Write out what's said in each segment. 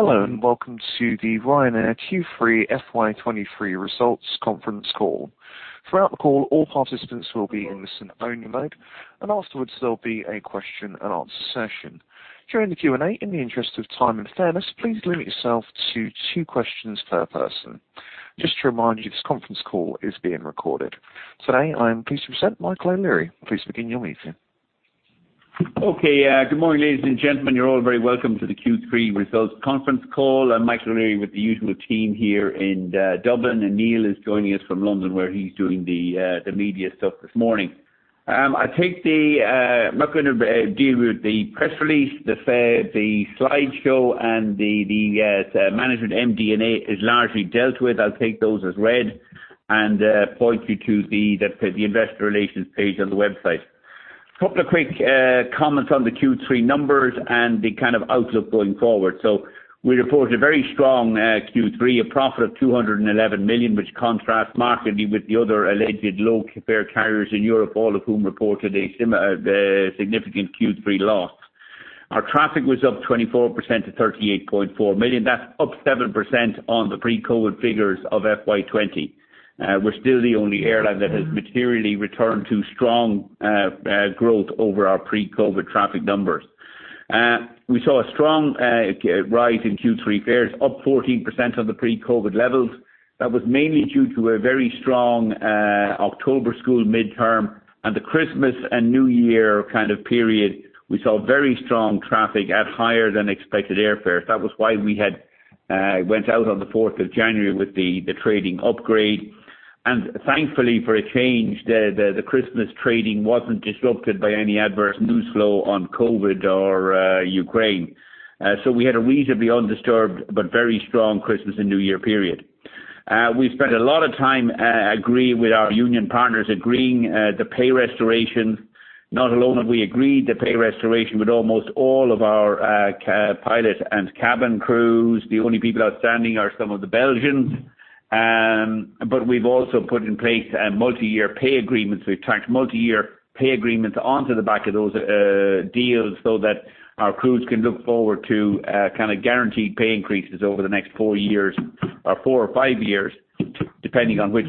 Hello, welcome to the Ryanair Q3 FY 2023 results conference call. Throughout the call, all participants will be in listen only mode, and afterwards there'll be a question-and-answer session. During the Q&A, in the interest of time and fairness, please limit yourself to two questions per person. Just to remind you, this conference call is being recorded. Today, I am pleased to present Michael O'Leary. Please begin your meeting. Good morning, ladies and gentlemen. You're all very welcome to the Q3 results conference call. I'm Michael O'Leary with the usual team here in Dublin, and Neil is joining us from London, where he's doing the media stuff this morning. I'm not gonna deal with the press release, the slideshow and the MD&A is largely dealt with. I'll take those as read and point you to the investor relations page on the website. Couple of quick comments on the Q3 numbers and the kind of outlook going forward. We reported a very strong Q3, a profit of 211 million, which contrasts markedly with the other alleged low fare carriers in Europe, all of whom reported a significant Q3 loss. Our traffic was up 24% to 38.4 million. That's up 7% on the pre-COVID figures of FY 2020. We're still the only airline that has materially returned to strong growth over our pre-COVID traffic numbers. We saw a strong rise in Q3 fares, up 14% on the pre-COVID levels. That was mainly due to a very strong October school midterm and the Christmas and New Year kind of period, we saw very strong traffic at higher-than-expected airfares. That was why we had went out on the 4th of January with the trading upgrade. Thankfully for a change, the Christmas trading wasn't disrupted by any adverse news flow on COVID or Ukraine. We had a reasonably undisturbed but very strong Christmas and New Year period. We spent a lot of time agreeing with our union partners, agreeing the pay restoration. Not alone have we agreed the pay restoration with almost all of our pilot and cabin crews. The only people outstanding are some of the Belgians. We've also put in place a multi-year pay agreements. We've tracked multi-year pay agreements onto the back of those deals, so that our crews can look forward to kind of guaranteed pay increases over the next four years or four or five years, depending on which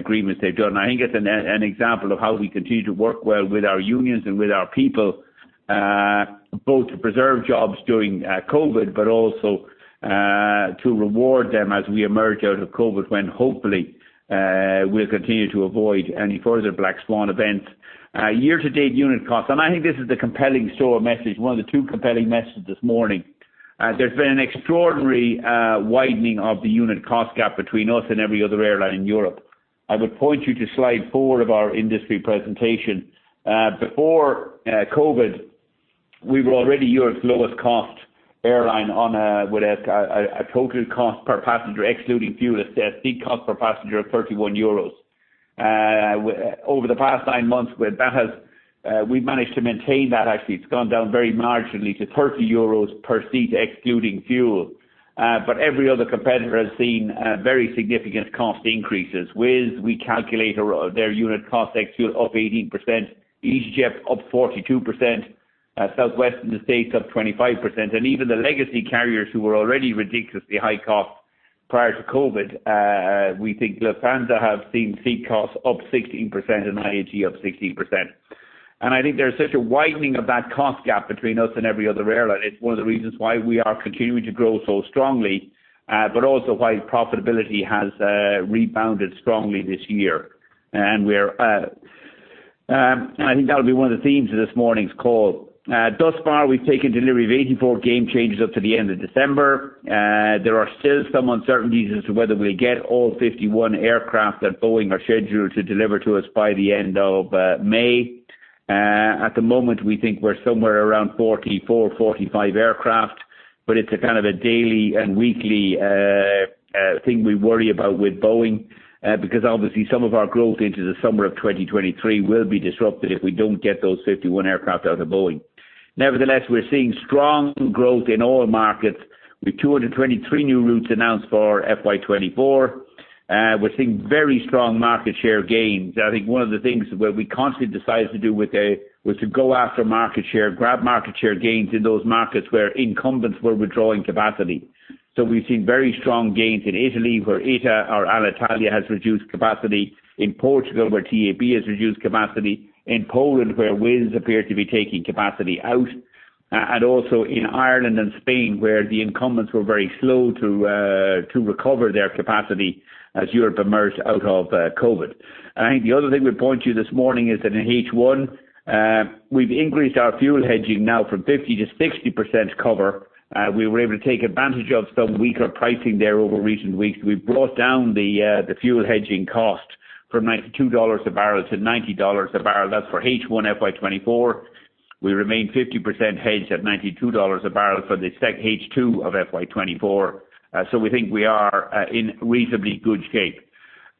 agreements they've done. I think that's an example of how we continue to work well with our unions and with our people, both to preserve jobs during COVID, but also to reward them as we emerge out of COVID, when hopefully, we'll continue to avoid any further black swan events. Year to date unit costs. I think this is the compelling story message, one of the two compelling messages this morning. There's been an extraordinary widening of the unit cost gap between us and every other airline in Europe. I would point you to slide four of our industry presentation. Before COVID, we were already Europe's lowest cost airline on a, with a total cost per passenger excluding fuel, a seat cost per passenger of 31 euros. Over the past nine months we've managed to maintain that actually. It's gone down very marginally to 30 euros per seat excluding fuel. Every other competitor has seen very significant cost increases. Wizz, we calculate their unit cost ex-fuel up 18%, EasyJet up 42%, Southwest in the States up 25%. Even the legacy carriers who were already ridiculously high cost prior to COVID, we think Lufthansa have seen seat costs up 16% and IAG up 16%. I think there's such a widening of that cost gap between us and every other airline. It's one of the reasons why we are continuing to grow so strongly, but also why profitability has rebounded strongly this year. We're, I think that'll be one of the themes of this morning's call. Thus far, we've taken delivery of 84 Gamechangers up to the end of December. There are still some uncertainties as to whether we'll get all 51 aircraft that Boeing are scheduled to deliver to us by the end of May. At the moment, we think we're somewhere around 44, 45 aircraft, but it's a kind of a daily and weekly thing we worry about with Boeing, because obviously some of our growth into the summer of 2023 will be disrupted if we don't get those 51 aircraft out of Boeing. Nevertheless, we're seeing strong growth in all markets with 223 New Routes announced for FY 2024. We're seeing very strong market share gains. I think one of the things where we constantly decided to do was to go after market share, grab market share gains in those markets where incumbents were withdrawing capacity. We've seen very strong gains in Italy, where ITA or Alitalia has reduced capacity. In Portugal, where TAP has reduced capacity. In Poland, where Wizz appeared to be taking capacity out. Also in Ireland and Spain, where the incumbents were very slow to recover their capacity as Europe emerged out of COVID. I think the other thing we point to you this morning is that in H1, we've increased our fuel hedging now from 50% to 60% cover. We were able to take advantage of some weaker pricing there over recent weeks. We brought down the fuel hedging cost from $92 a barrel to $90 a barrel. That's for H1 FY 2024. We remain 50% hedged at $92 a barrel for the H2 of FY 2024. We think we are in reasonably good shape.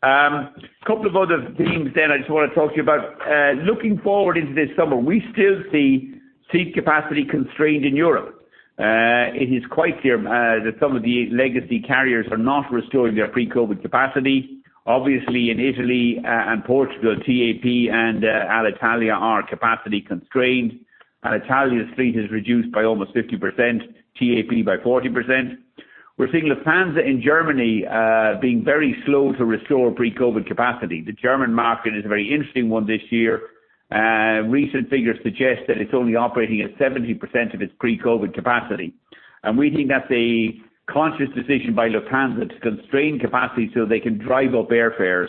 Couple of other themes then I just wanna talk to you about. Looking forward into this summer, we still see seat capacity constrained in Europe. It is quite clear that some of the legacy carriers are not restoring their pre-COVID capacity. Obviously in Italy and Portugal, TAP and Alitalia are capacity constrained. Alitalia's fleet is reduced by almost 50%, TAP by 40%. We're seeing Lufthansa in Germany being very slow to restore pre-COVID capacity. The German market is a very interesting one this year. Recent figures suggest that it's only operating at 70% of its pre-COVID capacity. We think that's a conscious decision by Lufthansa to constrain capacity so they can drive up airfares.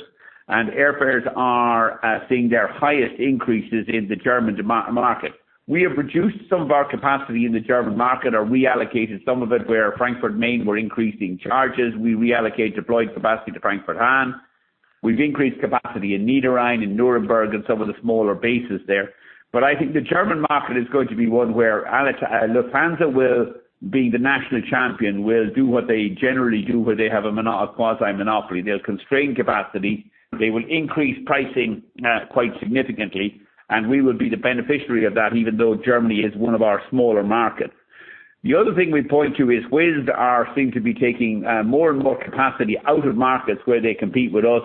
Airfares are seeing their highest increases in the German market. We have reduced some of our capacity in the German market or reallocated some of it where Frankfurt Main were increasing charges. We reallocate deployed capacity to Frankfurt-Hahn. We've increased capacity in Niederrhein and Nuremberg and some of the smaller bases there. I think the German market is going to be one where Lufthansa will, being the national champion, will do what they generally do, where they have a quasi-monopoly. They'll constrain capacity, they will increase pricing, quite significantly, and we will be the beneficiary of that, even though Germany is one of our smaller markets. The other thing we point to is Wizz Air seem to be taking more and more capacity out of markets where they compete with us.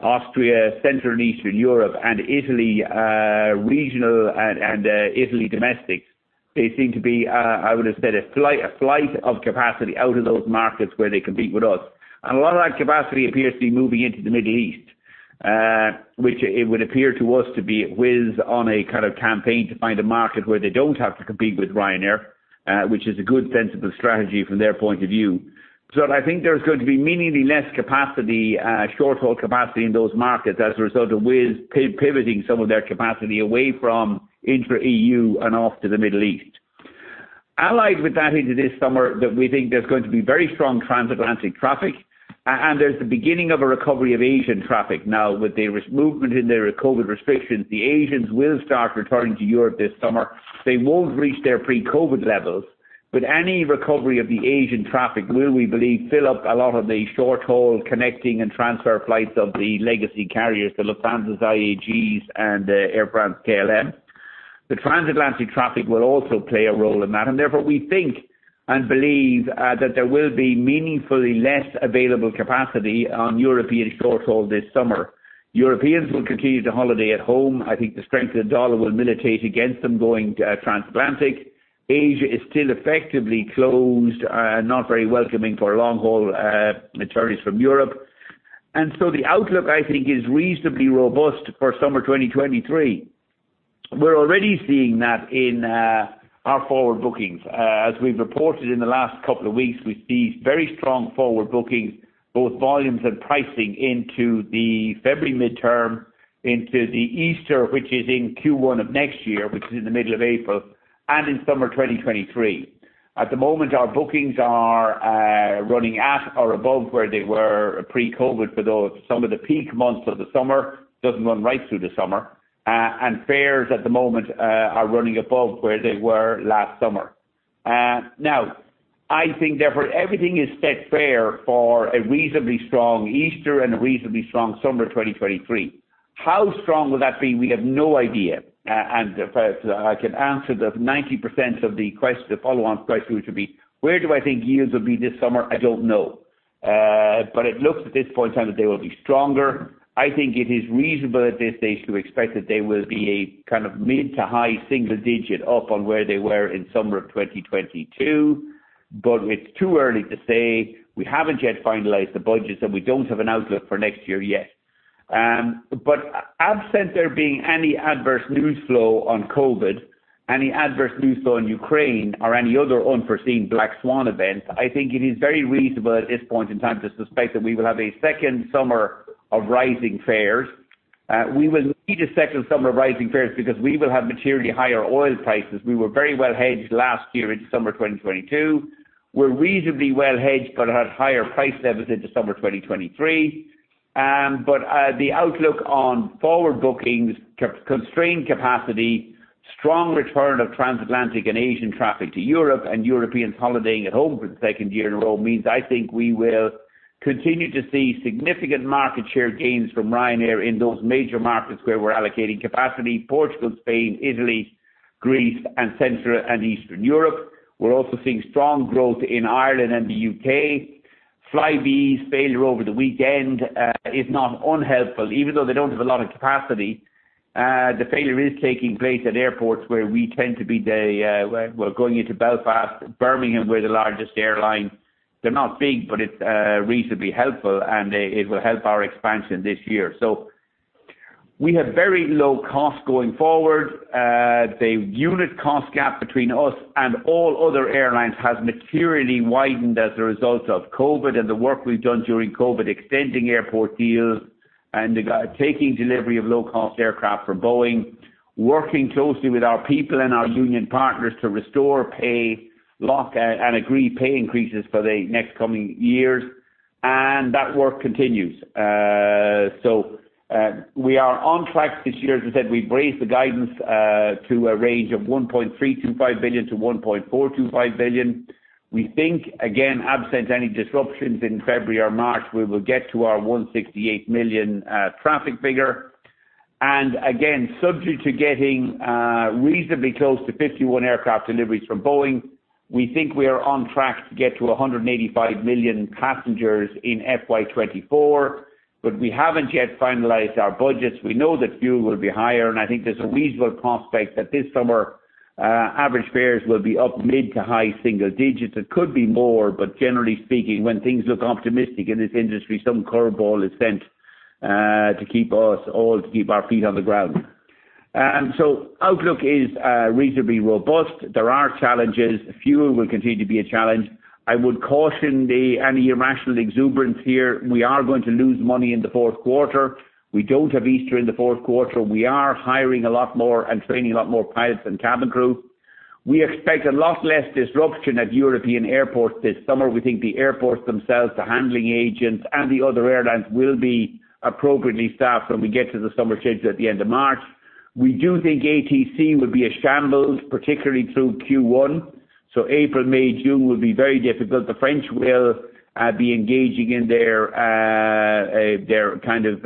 Austria, Central and Eastern Europe and Italy, regional and Italy domestic. They seem to be, I would have said, a flight of capacity out of those markets where they compete with us. A lot of that capacity appears to be moving into the Middle East, which it would appear to us to be Wizz Air on a kind of campaign to find a market where they don't have to compete with Ryanair, which is a good, sensible strategy from their point of view. I think there's going to be meaningfully less capacity, short-haul capacity in those markets as a result of Wizz pivoting some of their capacity away from intra-EU and off to the Middle East. Allied with that into this summer, that we think there's going to be very strong transatlantic traffic. There's the beginning of a recovery of Asian traffic. Now with the movement in their COVID restrictions, the Asians will start returning to Europe this summer. They won't reach their pre-COVID levels. Any recovery of the Asian traffic will, we believe, fill up a lot of the short-haul connecting and transfer flights of the legacy carriers to Lufthansa's IAG's and Air France-KLM. The transatlantic traffic will also play a role in that. Therefore, we think and believe that there will be meaningfully less available capacity on European short-haul this summer. Europeans will continue to holiday at home. I think the strength of the dollar will militate against them going transatlantic. Asia is still effectively closed. Not very welcoming for long-haul travelers from Europe. The outlook, I think, is reasonably robust for summer 2023. We're already seeing that in our forward bookings. As we've reported in the last couple of weeks, we see very strong forward bookings, both volumes and pricing into the February midterm, into the Easter, which is in Q1 of next year, which is in the middle of April, and in summer 2023. At the moment, our bookings are running at or above where they were pre-COVID for those. Some of the peak months of the summer, doesn't run right through the summer. Fares at the moment are running above where they were last summer. I think therefore, everything is set fair for a reasonably strong Easter and a reasonably strong summer 2023. How strong will that be? We have no idea. If I can answer the 90% of the follow-on question, which would be: Where do I think yields will be this summer? I don't know. It looks at this point in time that they will be stronger. I think it is reasonable at this stage to expect that they will be a kind of mid to high single-digit up on where they were in summer of 2022. It's too early to say. We haven't yet finalized the budgets. We don't have an outlook for next year yet. Absent there being any adverse news flow on COVID, any adverse news flow on Ukraine or any other unforeseen black swan event, I think it is very reasonable at this point in time to suspect that we will have a second summer of rising fares. We will need a second summer of rising fares because we will have materially higher oil prices. We were very well hedged last year into summer 2022. We're reasonably well hedged but at higher price levels into summer 2023. The outlook on forward bookings, cap- constrained capacity, strong return of transatlantic and Asian traffic to Europe and Europeans holidaying at home for the second year in a row means, I think we will continue to see significant market share gains from Ryanair in those major markets where we're allocating capacity. Portugal, Spain, Italy, Greece and Central and Eastern Europe. We're also seeing strong growth in Ireland and the U.K. Flybe's failure over the weekend is not unhelpful. Even though they don't have a lot of capacity, the failure is taking place at airports where we tend to be the, we're going into Belfast. Birmingham, we're the largest airline. They're not big, but it's reasonably helpful, and it will help our expansion this year. We have very low costs going forward. The unit cost gap between us and all other airlines has materially widened as a result of COVID and the work we've done during COVID, extending airport deals and taking delivery of low-cost aircraft from Boeing, working closely with our people and our union partners to restore pay lock and agree pay increases for the next coming years. That work continues. We are on track this year. As I said, we've raised the guidance to a range of 1.325 billion-1.425 billion. We think again, absent any disruptions in February or March, we will get to our 168 million traffic figure. Again, subject to getting reasonably close to 51 aircraft deliveries from Boeing, we think we are on track to get to 185 million passengers in FY 2024. We haven't yet finalized our budgets. We know that fuel will be higher. I think there's a reasonable prospect that this summer, average fares will be up mid to high single digits. It could be more, but generally speaking, when things look optimistic in this industry, some curveball is sent to keep our feet on the ground. Outlook is reasonably robust. There are challenges. Fuel will continue to be a challenge. I would caution any irrational exuberance here. We are going to lose money in the fourth quarter. We don't have Easter in the fourth quarter. We are hiring a lot more and training a lot more pilots and cabin crew. We expect a lot less disruption at European airports this summer. We think the airports themselves, the handling agents, and the other airlines will be appropriately staffed when we get to the summer change at the end of March. We do think ATC will be a shambles, particularly through Q1. April, May, June will be very difficult. The French will be engaging in their kind of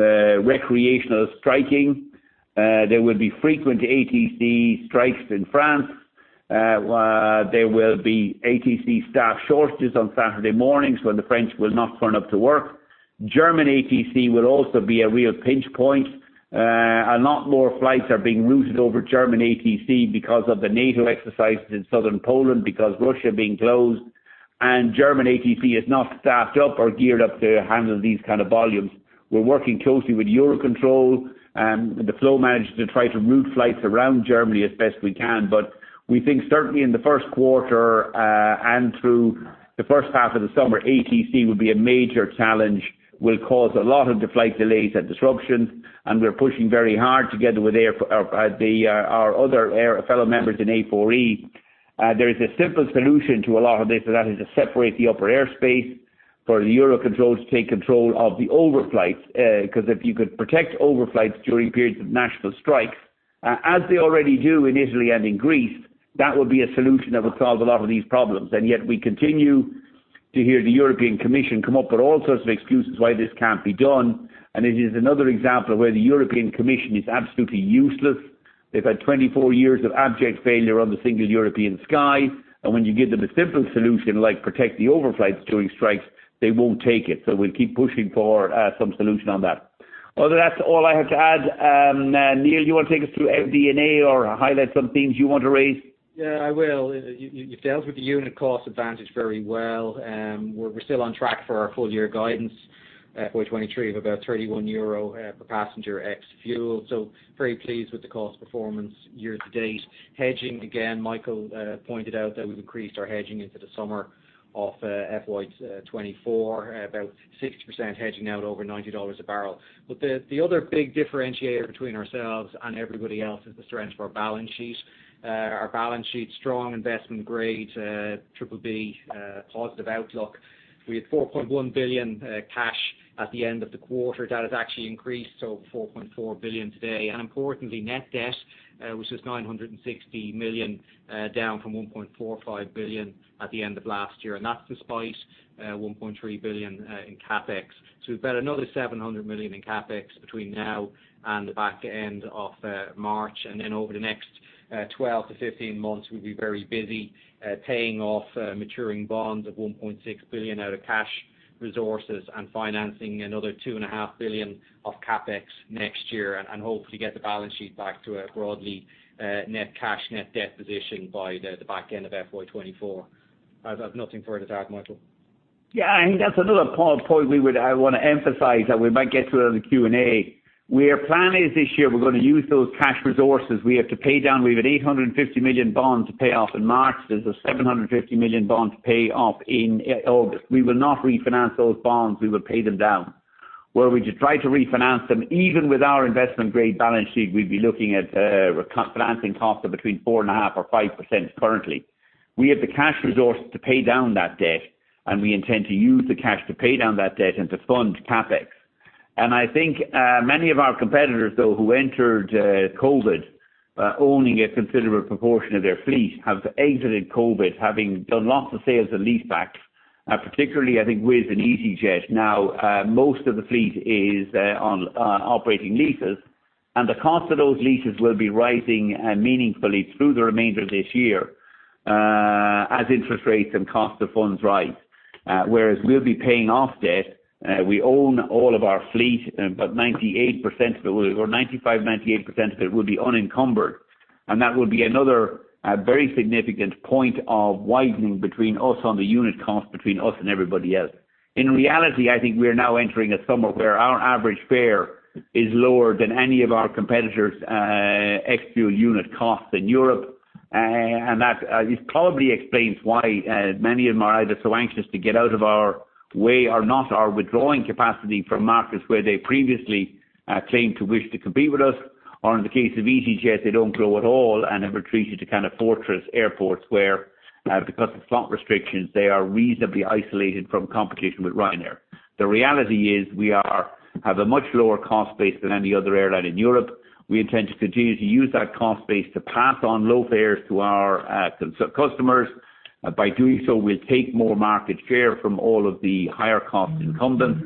recreational striking. There will be frequent ATC strikes in France. There will be ATC staff shortages on Saturday mornings when the French will not turn up to work. German ATC will also be a real pinch point. A lot more flights are being routed over German ATC because of the NATO exercises in southern Poland because Russia being closed. German ATC is not staffed up or geared up to handle these kind of volumes. We're working closely with EUROCONTROL and the flow managers to try to route flights around Germany as best we can. We think certainly in the first quarter, and through the first half of the summer, ATC will be a major challenge, will cause a lot of the flight delays and disruptions, and we're pushing very hard together with our other fellow members in A4E. There is a simple solution to a lot of this, and that is to separate the upper airspace for the EUROCONTROL to take control of the overflights. 'Cause if you could protect overflights during periods of national strikes, as they already do in Italy and in Greece, that would be a solution that would solve a lot of these problems. Yet we continue to hear the European Commission come up with all sorts of excuses why this can't be done. It is another example of where the European Commission is absolutely useless. They've had 24 years of abject failure on the Single European Sky. When you give them a simple solution like protect the overflights during strikes, they won't take it. We'll keep pushing for some solution on that. Other than that, all I have to add, Neil, you wanna take us through MD&A or highlight some things you want to raise? Yeah, I will. You've dealt with the unit cost advantage very well. We're still on track for our full year guidance, FY 2023 of about 31 euro per passenger ex-fuel. Very pleased with the cost performance year to date. Hedging, again, Michael pointed out that we've increased our hedging into the summer of FY 2024, about 60% hedging out over $90 a barrel. The other big differentiator between ourselves and everybody else is the strength of our balance sheet. Our balance sheet's strong investment-grade, BBB, positive outlook. We had 4.1 billion cash at the end of the quarter. That has actually increased, so 4.4 billion today. Importantly, net debt, which is 960 million, down from 1.45 billion at the end of last year. That's despite 1.3 billion in CapEx. We've got another 700 million in CapEx between now and the back end of March. Over the next 12-15 months, we'll be very busy paying off maturing bonds of 1.6 billion out of cash resources and financing another 2.5 billion of CapEx next year and hopefully get the balance sheet back to a broadly net cash, net debt position by the back end of FY 2024. I have nothing further to add, Michael. I think that's another point we would I wanna emphasize that we might get to in the Q&A. We are planning this year, we're gonna use those cash resources. We have to pay down. We have an 850 million bond to pay off in March. There's an 750 million bond to pay off in August. We will not refinance those bonds. We will pay them down. Were we to try to refinance them, even with our investment-grade balance sheet, we'd be looking at a financing cost of between 4.5% or 5% currently. We have the cash resource to pay down that debt, and we intend to use the cash to pay down that debt and to fund CapEx. I think many of our competitors, though, who entered COVID, owning a considerable proportion of their fleet, have exited COVID having done lots of sales and leasebacks, particularly I think Wizz and EasyJet. Most of the fleet is on operating leases, and the cost of those leases will be rising meaningfully through the remainder of this year, as interest rates and cost of funds rise. We'll be paying off debt, we own all of our fleet, about 98% of it, or 95%, 98% of it will be unencumbered. That will be another very significant point of widening between us on the unit cost between us and everybody else. In reality, I think we're now entering a summer where our average fare is lower than any of our competitors', ex-fuel unit costs in Europe. This probably explains why many of them are either so anxious to get out of our way or not are withdrawing capacity from markets where they previously claimed to wish to compete with us. In the case of easyJet, they don't grow at all and have retreated to kind of fortress airports where because of slot restrictions, they are reasonably isolated from competition with Ryanair. The reality is we have a much lower cost base than any other airline in Europe. We intend to continue to use that cost base to pass on low fares to our customers. By doing so, we'll take more market share from all of the higher cost incumbents.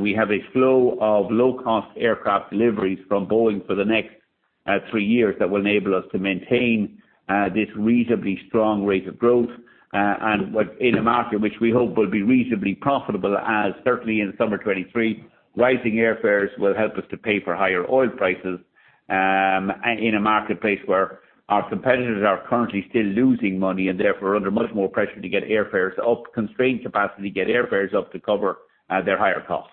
We have a flow of low-cost aircraft deliveries from Boeing for the next three years that will enable us to maintain this reasonably strong rate of growth in a market which we hope will be reasonably profitable as certainly in summer 2023. Rising airfares will help us to pay for higher oil prices in a marketplace where our competitors are currently still losing money and therefore under much more pressure to get airfares up, constrained capacity, get airfares up to cover their higher costs.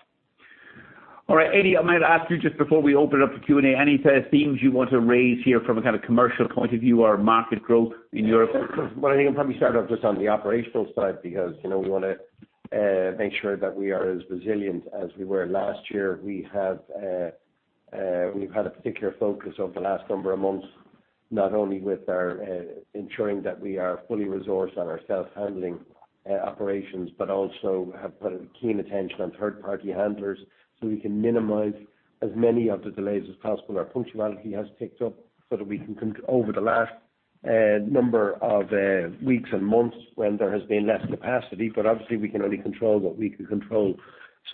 All right. Eddie, I might ask you just before we open it up to Q&A, any themes you want to raise here from a kind of commercial point of view or market growth in Europe? I think I'll probably start off just on the operational side because, you know, we wanna make sure that we are as resilient as we were last year. We have, we've had a particular focus over the last number of months, not only with our ensuring that we are fully resourced on our self-handling operations, but also have put a keen attention on third-party handlers so we can minimize as many of the delays as possible. Our punctuality has ticked up so that we can over the last number of weeks and months when there has been less capacity, but obviously we can only control what we can control.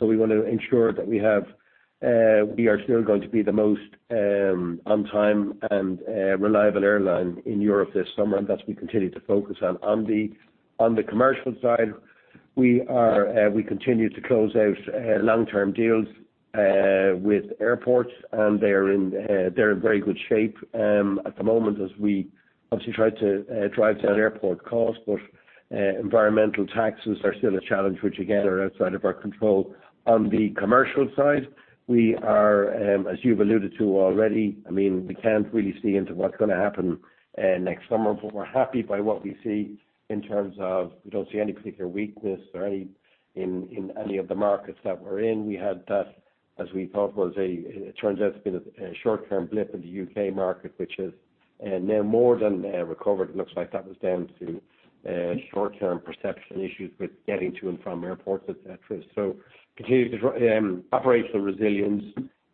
We wanna ensure that we have, we are still going to be the most on time and reliable airline in Europe this summer, and that we continue to focus on. On the commercial side, we are, we continue to close out long-term deals with airports, and they're in very good shape at the moment as we obviously try to drive down airport costs. Environmental taxes are still a challenge which again, are outside of our control. On the commercial side, we are, as you've alluded to already, I mean, we can't really see into what's gonna happen next summer, but we're happy by what we see in terms of we don't see any particular weakness or any in any of the markets that we're in. We had that, as we thought was, it turns out to be a short-term blip in the U.K. market, which is now more than recovered. It looks like that was down to short-term perception issues with getting to and from airports, et cetera. Continue to operational resilience.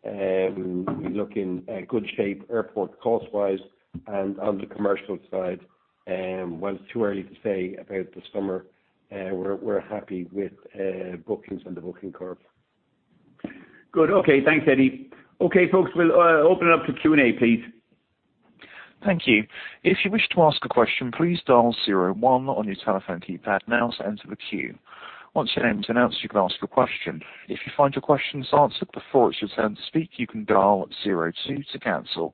We look in good shape airport cost-wise and on the commercial side. While it's too early to say about the summer, we're happy with bookings and the booking curve. Good. Okay. Thanks, Eddie. Okay, folks, we'll open it up to Q&A, please. Thank you. If you wish to ask a question, please dial zero one on your telephone keypad now to enter the queue. Once your name is announced, you can ask your question. If you find your questions answered before it's your turn to speak, you can dial zero two to cancel.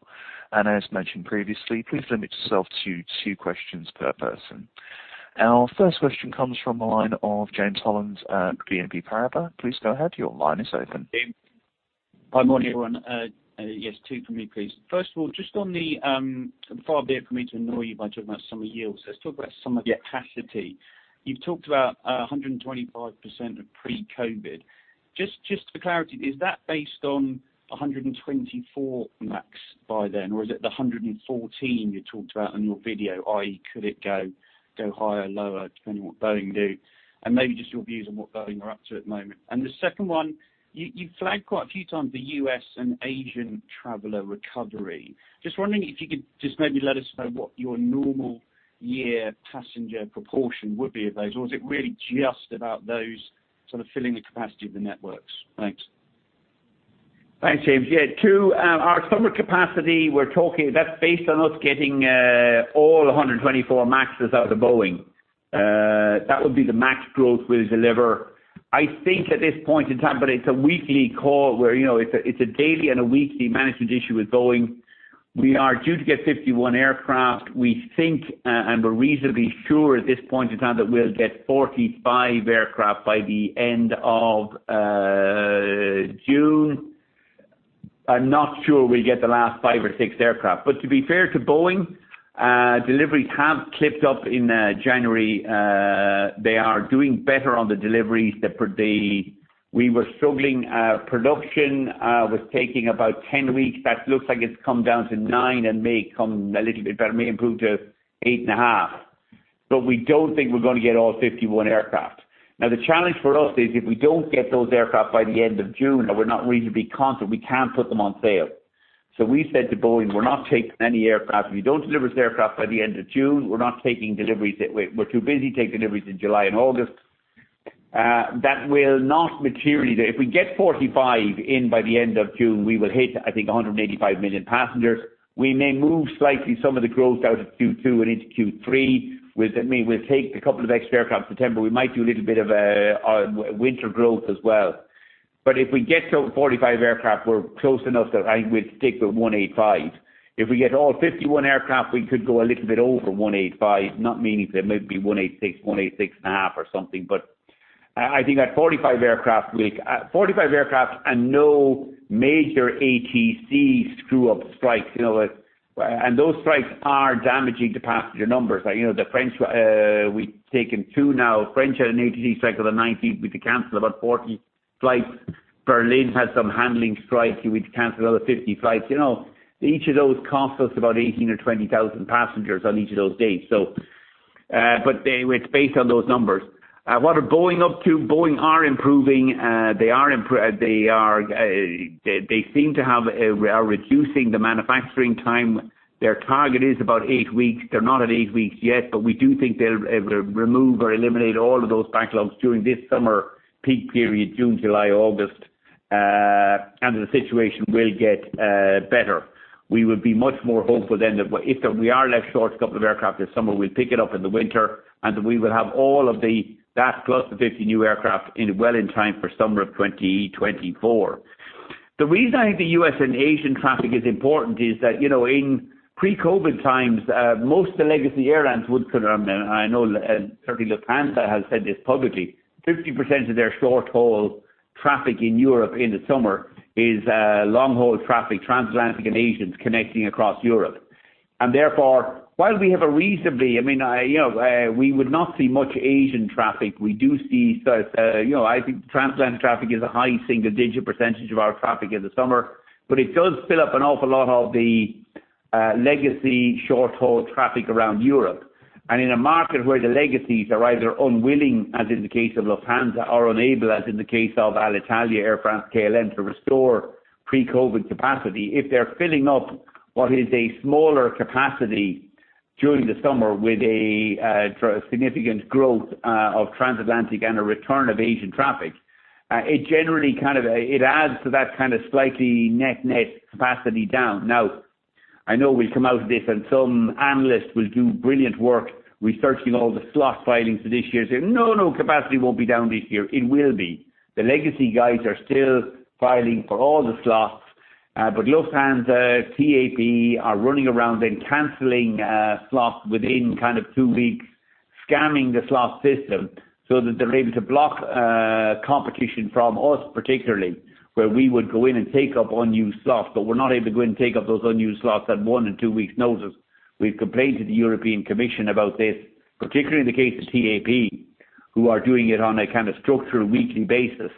As mentioned previously, please limit yourself to 2 questions per person. Our first question comes from the line of James Hollins at BNP Paribas. Please go ahead. Your line is open. Hi. Morning, everyone. Yes, two for me, please. First of all, just on the, far be it for me to annoy you by talking about summer yields. Let's talk about summer capacity. You've talked about 125% of pre-COVID. Just for clarity, is that based on 124 MAX by then, or is it the 114 you talked about on your video, i.e. could it go higher or lower depending on what Boeing do? Maybe just your views on what Boeing are up to at the moment. The second one, you flagged quite a few times the U.S. and Asian traveler recovery. Just wondering if you could just maybe let us know what your normal year passenger proportion would be of those, or is it really just about those sort of filling the capacity of the networks? Thanks. Thanks, James. Yeah, to our summer capacity, that's based on us getting all 124 MAXs out of Boeing. That would be the max growth we'll deliver. I think at this point in time, but it's a weekly call where, you know, it's a, it's a daily and a weekly management issue with Boeing. We are due to get 51 aircraft. We think, and we're reasonably sure at this point in time that we'll get 45 aircraft by the end of June. I'm not sure we get the last five or six aircraft. To be fair to Boeing, deliveries have clipped up in January. They are doing better on the deliveries. We were struggling. Production was taking about 10 weeks. That looks like it's come down to nine and may come a little bit better, it may improve to eight and a half, but we don't think we're gonna get all 51 aircraft. Now the challenge for us is if we don't get those aircraft by the end of June, and we're not reasonably confident we can put them on sale. We said to Boeing, "We're not taking any aircraft. If you don't deliver us aircraft by the end of June, we're not taking deliveries that we're too busy to take deliveries in July and August." That will not materially. If we get 45 in by the end of June, we will hit, I think, 185 million passengers. We may move slightly some of the growth out of Q2 and into Q3 with, I mean, we'll take a couple of extra aircraft in September. We might do a little bit of a winter growth as well. If we get to 45 aircraft, we're close enough that I will stick with 185. If we get all 51 aircraft, we could go a little bit over 185. Not meaningfully, it might be 186 and a half or something. I think at 45 aircraft, at 45 aircraft and no major ATC screw up strikes, you know, and those strikes are damaging to passenger numbers. You know, the French, we've taken two now. French had an ATC strike on the ninth. We had to cancel about 40 flights. Berlin had some handling strikes. We've canceled other 50 flights. You know, each of those cost us about 18,000 or 20,000 passengers on each of those days. It's based on those numbers. What are Boeing up to? Boeing are improving. They are reducing the manufacturing time. Their target is about eight weeks. They're not at eight weeks yet, but we do think they'll remove or eliminate all of those backlogs during this summer peak period, June, July, August, and the situation will get better. We will be much more hopeful then that if we are left short a couple of aircraft this summer, we'll pick it up in the winter and that we will have all of the that plus the 50 new aircraft in well in time for summer of 2024. The reason I think the U.S. and Asian traffic is important is that, you know, in pre-COVID times, most of the legacy airlines would put on them. I know certainly Lufthansa has said this publicly. 50% of their short-haul traffic in Europe in the summer is long-haul traffic, transatlantic and Asians connecting across Europe. While we have a, I mean, I, you know, we would not see much Asian traffic. We do see, you know, I think transatlantic traffic is a high single-digit percentage of our traffic in the summer, but it does fill up an awful lot of the legacy short-haul traffic around Europe. In a market where the legacies are either unwilling, as in the case of Lufthansa, or unable, as in the case of Alitalia, Air France, KLM, to restore pre-COVID capacity. If they're filling up what is a smaller capacity during the summer with a significant growth of transatlantic and a return of Asian traffic, it adds to that kind of slightly net-net capacity down. I know we'll come out of this and some analysts will do brilliant work researching all the slot filings for this year. Say, "No, capacity won't be down this year." It will be. The legacy guys are still filing for all the slots, but Lufthansa, TAP are running around then canceling slots within kind of two weeks, scamming the slot system so that they're able to block competition from us, particularly, where we would go in and take up unused slots. We're not able to go in and take up those unused slots at one and two weeks' notices. We've complained to the European Commission about this, particularly in the case of TAP, who are doing it on a kind of structural weekly basis.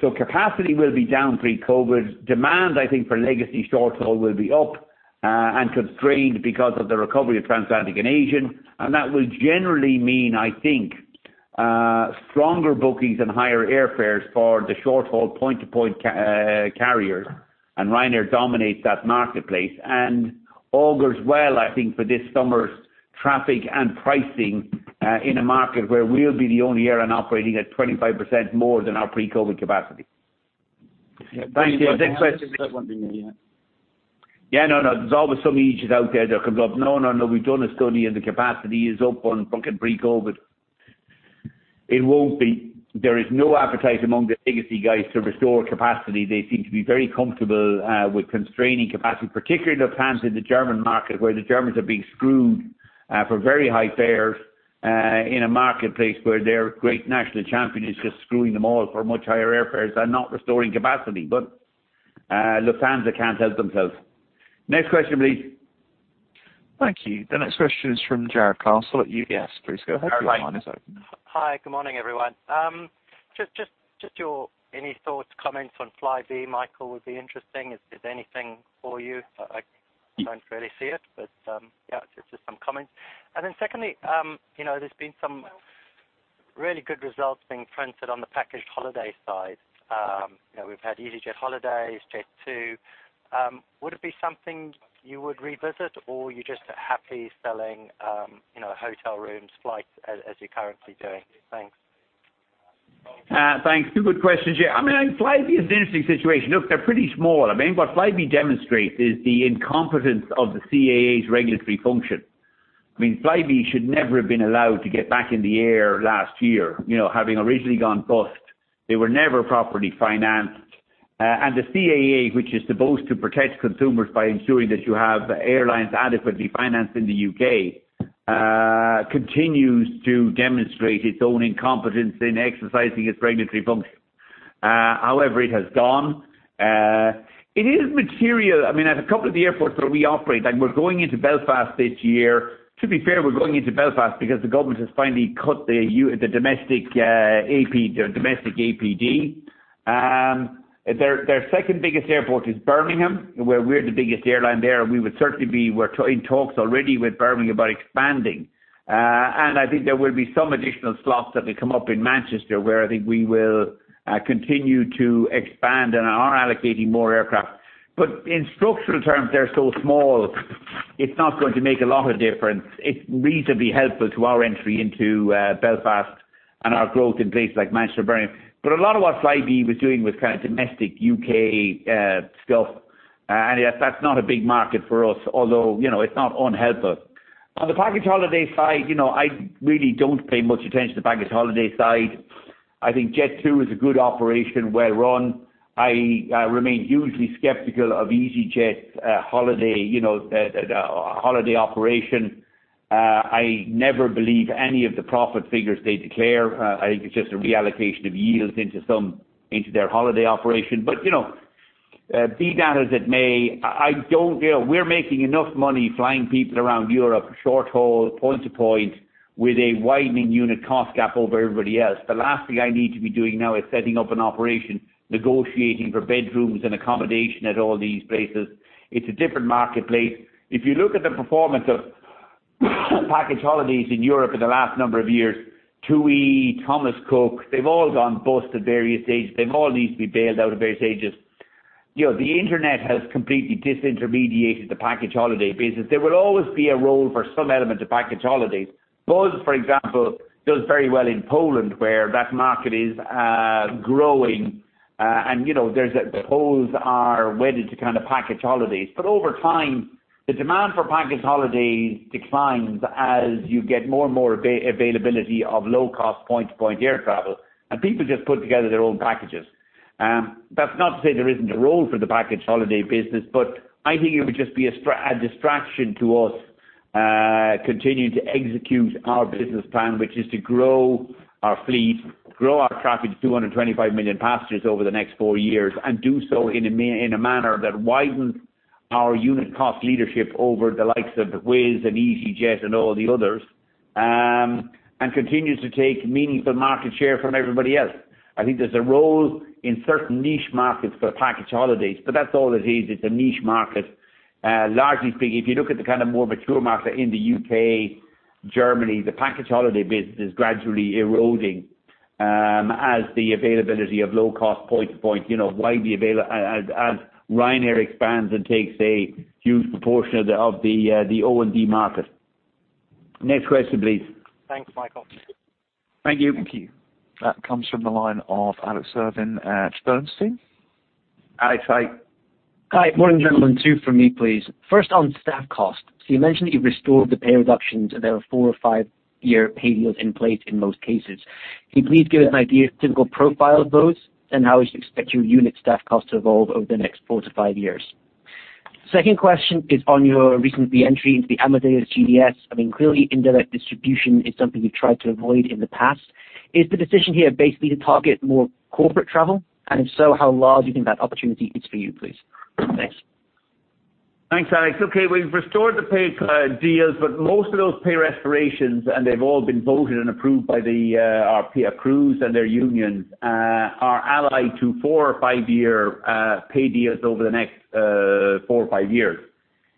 Capacity will be down pre-COVID. Demand, I think, for legacy short-haul will be up and constrained because of the recovery of transatlantic and Asian. That will generally mean, I think, stronger bookings and higher airfares for the short-haul point-to-point carriers, and Ryanair dominates that marketplace. Augurs well, I think, for this summer's traffic and pricing in a market where we'll be the only airline operating at 25% more than our pre-COVID capacity. Yeah. Thank you. Next question please. Yeah, no. There's always some eejit out there that comes up. "No, no. We've done a study and the capacity is up on pre-COVID." It won't be. There is no appetite among the legacy guys to restore capacity. They seem to be very comfortable with constraining capacity, particularly Lufthansa in the German market, where the Germans are being screwed for very high fares in a marketplace where their great national champion is just screwing them all for much higher airfares and not restoring capacity. Lufthansa can't help themselves. Next question, please. Thank you. The next question is from Jarrod Castle at UBS. Please go ahead. Your line is open. Hi. Good morning, everyone. Any thoughts, comments on Flybe, Michael, would be interesting if anything for you. I don't really see it, but, yeah, just some comments. Secondly, you know, there's been some really good results being printed on the packaged holiday side. You know, we've had EasyJet holidays, Jet2. Would it be something you would revisit or you're just happy selling, you know, hotel rooms, flights as you're currently doing? Thanks. Thanks. Two good questions. I mean, Flybe is an interesting situation. Look, they're pretty small. I mean, what Flybe demonstrates is the incompetence of the CAA's regulatory function. I mean, Flybe should never have been allowed to get back in the air last year. You know, having originally gone bust, they were never properly financed. The CAA, which is supposed to protect consumers by ensuring that you have airlines adequately financed in the U.K., continues to demonstrate its own incompetence in exercising its regulatory function. However, it has gone. It is material. I mean, at a couple of the airports where we operate, like we're going into Belfast this year. To be fair, we're going into Belfast because the government has finally cut the domestic APD. Their second biggest airport is Birmingham, where we're the biggest airline there. We're in talks already with Birmingham about expanding. I think there will be some additional slots that will come up in Manchester where I think we will continue to expand and are allocating more aircraft. In structural terms, they're so small, it's not going to make a lot of difference. It's reasonably helpful to our entry into Belfast and our growth in places like Manchester, Birmingham. A lot of what Flybe was doing was kind of domestic U.K. stuff. Yes, that's not a big market for us, although, you know, it's not unhelpful. On the package holiday side, you know, I really don't pay much attention to the package holiday side. I think Jet2 is a good operation, well run. I remain hugely skeptical of easyJet's holiday, you know, holiday operation. I never believe any of the profit figures they declare. I think it's just a reallocation of yields into their holiday operation. But, you know, be that as it may, I, you know, we're making enough money flying people around Europe short-haul, point to point, with a widening unit cost gap over everybody else. The last thing I need to be doing now is setting up an operation, negotiating for bedrooms and accommodation at all these places. It's a different marketplace. If you look at the performance of package holidays in Europe for the last number of years, TUI, Thomas Cook, they've all gone bust at various stages. They've all needed to be bailed out at various stages. You know, the internet has completely disintermediated the package holiday business. There will always be a role for some element of package holidays. Buzz, for example, does very well in Poland, where that market is growing. You know, Poles are wedded to kind of package holidays. Over time, the demand for package holidays declines as you get more and more availability of low-cost point-to-point air travel, and people just put together their own packages. That's not to say there isn't a role for the package holiday business, but I think it would just be a distraction to us, continuing to execute our business plan. Which is to grow our fleet, grow our traffic to 225 million passengers over the next four years, and do so in a manner that widens our unit cost leadership over the likes of Wizz and easyJet and all the others. Continues to take meaningful market share from everybody else. I think there's a role in certain niche markets for package holidays, but that's all it is, it's a niche market. Largely speaking, if you look at the kind of more mature markets in the U.K., Germany, the package holiday business is gradually eroding, as the availability of low-cost point-to-point, you know, widely available as Ryanair expands and takes a huge proportion of the O&D market. Next question, please. Thanks, Michael. Thank you. Thank you. That comes from the line of Alex Irving at Bernstein. Alex, hi. Hi. Morning, gentlemen. Two from me, please. First on staff costs. You mentioned that you've restored the pay reductions, and there are four or five-year pay deals in place in most cases. Can you please give us an idea of typical profile of those and how we should expect your unit staff costs to evolve over the next four to five years? Second question is on your recent re-entry into the Amadeus GDS. I mean, clearly indirect distribution is something you've tried to avoid in the past. Is the decision here basically to target more corporate travel? If so, how large you think that opportunity is for you, please? Thanks. Thanks, Alex. Okay. We've restored the pay deals, but most of those pay restorations, and they've all been voted and approved by the our PR crews and their unions are allied to four or five-year pay deals over the next four or five years.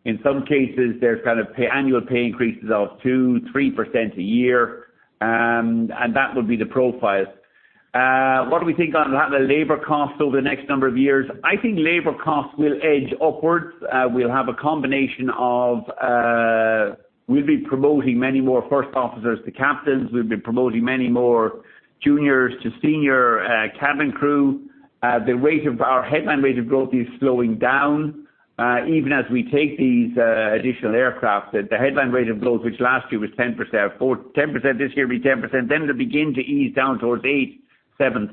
In some cases, there's kind of annual pay increases of 2%, 3% a year, and that would be the profile. What do we think on the labor costs over the next number of years? I think labor costs will edge upwards. We'll have a combination of. We'll be promoting many more first officers to captains. We'll be promoting many more juniors to senior cabin crew. The rate of our headline rate of growth is slowing down. Even as we take these additional aircraft, the headline rate of growth, which last year was 10%, 10% this year, be 10%, then it'll begin to ease down towards 8%, 7%, 6%.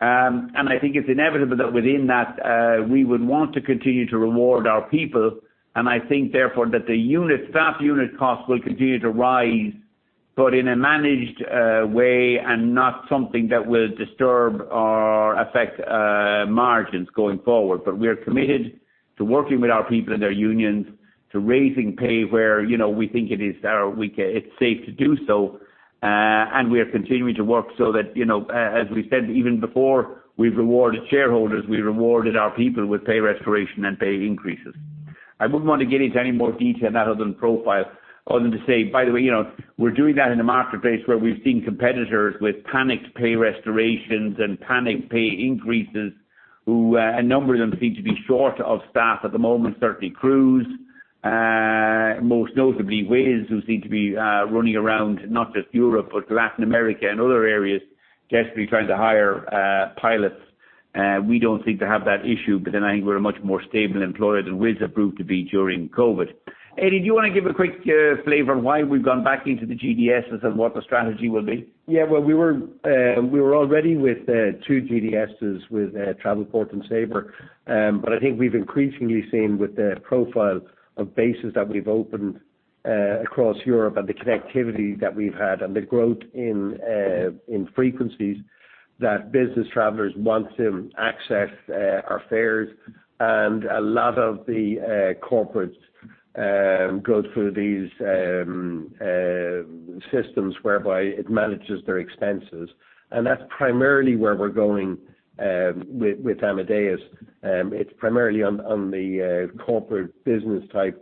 I think it's inevitable that within that, we would want to continue to reward our people. I think therefore, that the staff unit cost will continue to rise, but in a managed way and not something that will disturb or affect margins going forward. We are committed to working with our people and their unions to raising pay where, you know, we think it is safe to do so. We are continuing to work so that, you know, as we said, even before we've rewarded shareholders, we rewarded our people with pay restoration and pay increases. I wouldn't want to get into any more detail on that other than profile, other than to say, by the way, you know, we're doing that in a marketplace where we've seen competitors with panicked pay restorations and panicked pay increases, who, a number of them seem to be short of staff at the moment, certainly crews. Most notably Wizz, who seem to be running around not just Europe, but Latin America and other areas, desperately trying to hire pilots. We don't seem to have that issue. I think we're a much more stable employer than Wizz have proved to be during COVID. Eddie, do you wanna give a quick flavor on why we've gone back into the GDSs and what the strategy will be? Yeah. Well, we were already with two GDSs with Travelport and Sabre. I think we've increasingly seen with the profile of bases that we've opened across Europe and the connectivity that we've had and the growth in frequencies that business travelers want to access our fares. A lot of the corporates go through these systems whereby it manages their expenses. That's primarily where we're going with Amadeus. It's primarily on the corporate business type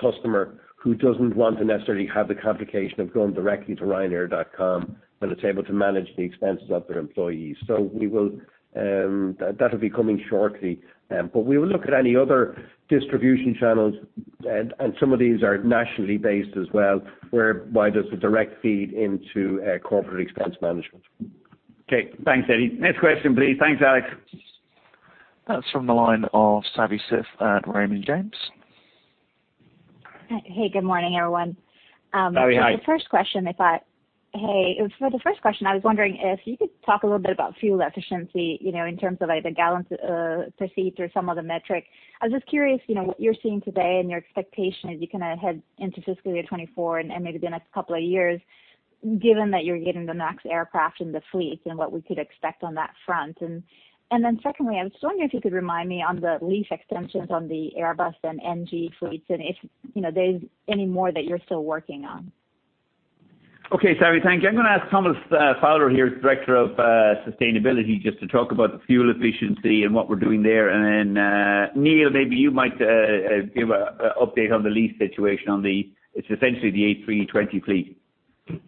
customer who doesn't want to necessarily have the complication of going directly to ryanair.com, but it's able to manage the expenses of their employees. We will... That'll be coming shortly. We will look at any other distribution channels and some of these are nationally based as well, whereby there's a direct feed into corporate expense management. Okay. Thanks, Eddie. Next question, please. Thanks, Alex. That's from the line of Savi Syth at Raymond James. Hey. Good morning, everyone. Savi, hi. For the first question, I was wondering if you could talk a little bit about fuel efficiency, you know, in terms of, like, the gallons per seat or some other metric. I was just curious, you know, what you're seeing today and your expectation as you kinda head into fiscal year 2024 and maybe the next couple of years, given that you're getting the MAX aircraft in the fleet, and what we could expect on that front. Secondly, I was just wondering if you could remind me on the lease extensions on the Airbus and NG fleets and if, you know, there's any more that you're still working on. Okay, Savi, thank you. I'm gonna ask Thomas Fowler here, Director of Sustainability, just to talk about the fuel efficiency and what we're doing there. Then, Neil, maybe you might give a update. It's essentially the A320 fleet.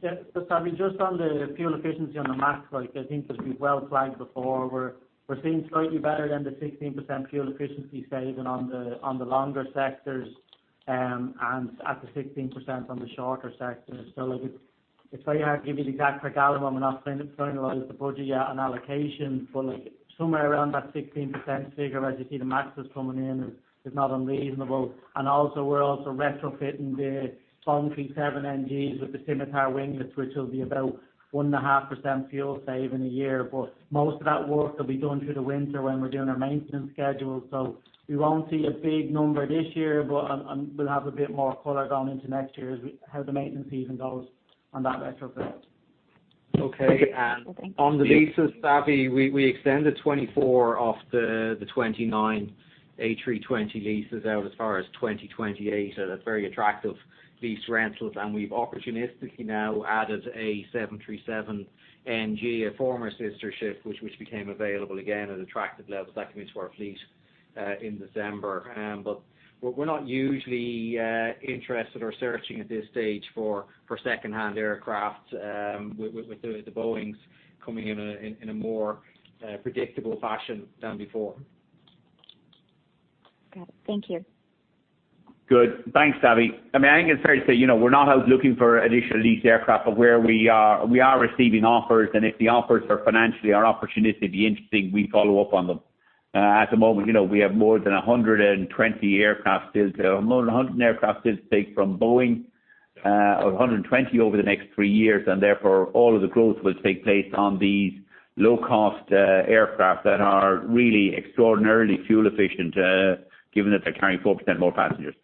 Yeah. Look, Savi, just on the fuel efficiency on the MAX flight, I think as we well flagged before, we're seeing slightly better than the 16% fuel efficiency saving on the longer sectors and at the 16% on the shorter sectors. It's very hard to give you the exact breakdown when we're not finalizing the budget yet and allocation, but somewhere around that 16% figure as you see the MAXs coming in is not unreasonable. Also we're also retrofitting the Boeing 737NG with the Scimitar Winglets which will be about 1.5% fuel save in a year. Most of that work will be done through the winter when we're doing our maintenance schedule. We won't see a big number this year, but on, we'll have a bit more color going into next year as we How the maintenance even goes on that retrofit. Okay. Well, thank you. On the leases, Savi, we extended 24 of the 29 A320 leases out as far as 2028 at a very attractive lease rentals. We've opportunistically now added a 737NG, a former sister ship, which became available again at attractive levels that come into our fleet in December. We're not usually interested or searching at this stage for second-hand aircraft with the Boeings coming in a more predictable fashion than before. Got it. Thank you. Good. Thanks, Savi. I mean, I think it's fair to say, you know, we're not out looking for additional leased aircraft, but where we are receiving offers, and if the offers are financially or opportunistically interesting, we follow up on them. At the moment, you know, we have more than 120 aircraft deals, more than 100 aircraft deals take from Boeing, or 120 over the next three years, and therefore all of the growth will take place on these low-cost aircraft that are really extraordinarily fuel efficient, given that they're carrying 4% more passengers.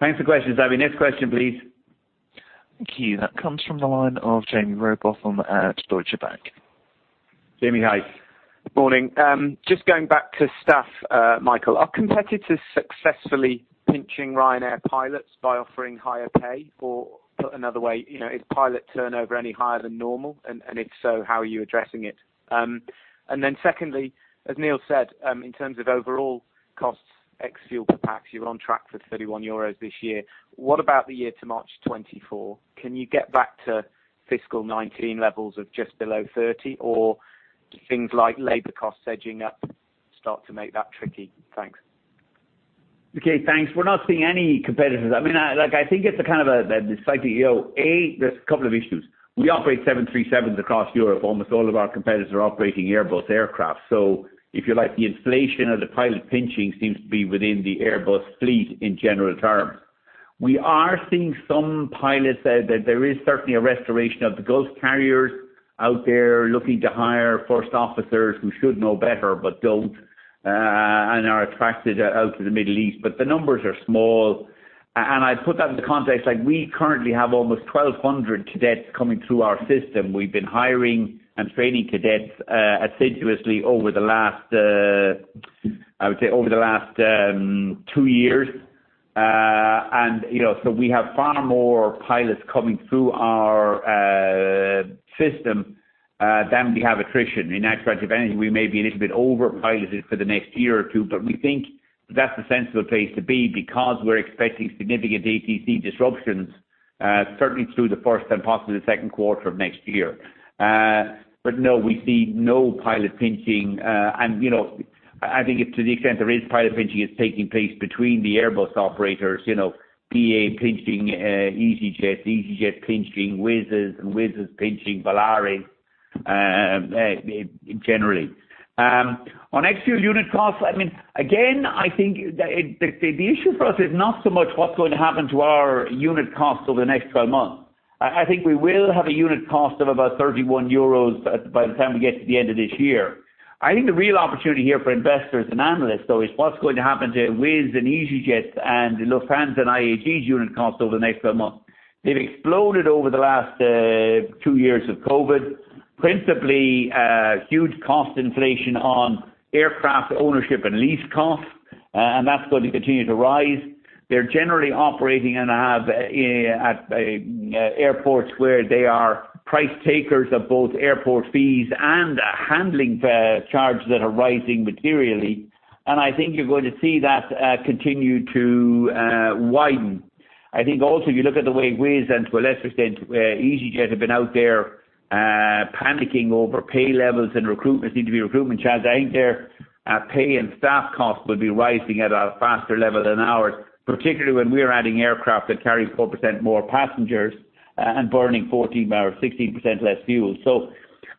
Thanks for questions, Savi. Next question, please. Thank you. That comes from the line of Jaime Rowbotham at Deutsche Bank. Jaime, hi. Good morning. Just going back to staff, Michael. Are competitors successfully pinching Ryanair pilots by offering higher pay? Put another way, you know, is pilot turnover any higher than normal? If so, how are you addressing it? Secondly, as Neil said, in terms of overall costs, ex-fuel per pax, you're on track for 31 euros this year. What about the year to March 2024? Can you get back to FY 2019 levels of just below 30, or do things like labor costs edging up start to make that tricky? Thanks. Okay, thanks. We're not seeing any competitors. I mean, like I think it's a kind of a slightly, you know, there's a couple of issues. We operate 737s across Europe. Almost all of our competitors are operating Airbus aircraft. If you like, the inflation or the pilot pinching seems to be within the Airbus fleet in general terms. We are seeing some pilots that there is certainly a restoration of the ghost carriers out there looking to hire first officers who should know better, but don't, and are attracted out to the Middle East. The numbers are small. I'd put that into context, like we currently have almost 1,200 cadets coming through our system. We've been hiring and training cadets assiduously over the last, I would say over the last two years. You know, so we have far more pilots coming through our system than we have attrition. In that sense, we may be a little bit over piloted for the next year or two, but we think that's the sensible place to be because we're expecting significant ATC disruptions, certainly through the first and possibly the second quarter of next year. No, we see no pilot pinching. You know, I think to the extent there is pilot pinching, it's taking place between the Airbus operators. You know, IAG pinching EasyJet, EasyJet pinching Wizz's, and Wizz's pinching Volaris, generally. On ex-fuel unit costs, I mean, again, I think the issue for us is not so much what's going to happen to our unit cost over the next 12 months. I think we will have a unit cost of about 31 euros by the time we get to the end of this year. I think the real opportunity here for investors and analysts though is what's going to happen to Wizz and easyJet and Lufthansa and IAG's unit cost over the next 12 months. They've exploded over the last two years of COVID. Principally, huge cost inflation on aircraft ownership and lease costs, and that's going to continue to rise. They're generally operating and have at airports where they are price takers of both airport fees and handling charges that are rising materially. I think you're going to see that continue to widen. I think also if you look at the way Wizz and to a lesser extent, easyJet have been out there, panicking over pay levels and recruitment seem to be recruitment challenges. I think their pay and staff costs will be rising at a faster level than ours, particularly when we're adding aircraft that carry 4% more passengers, and burning 14% or 16% less fuel.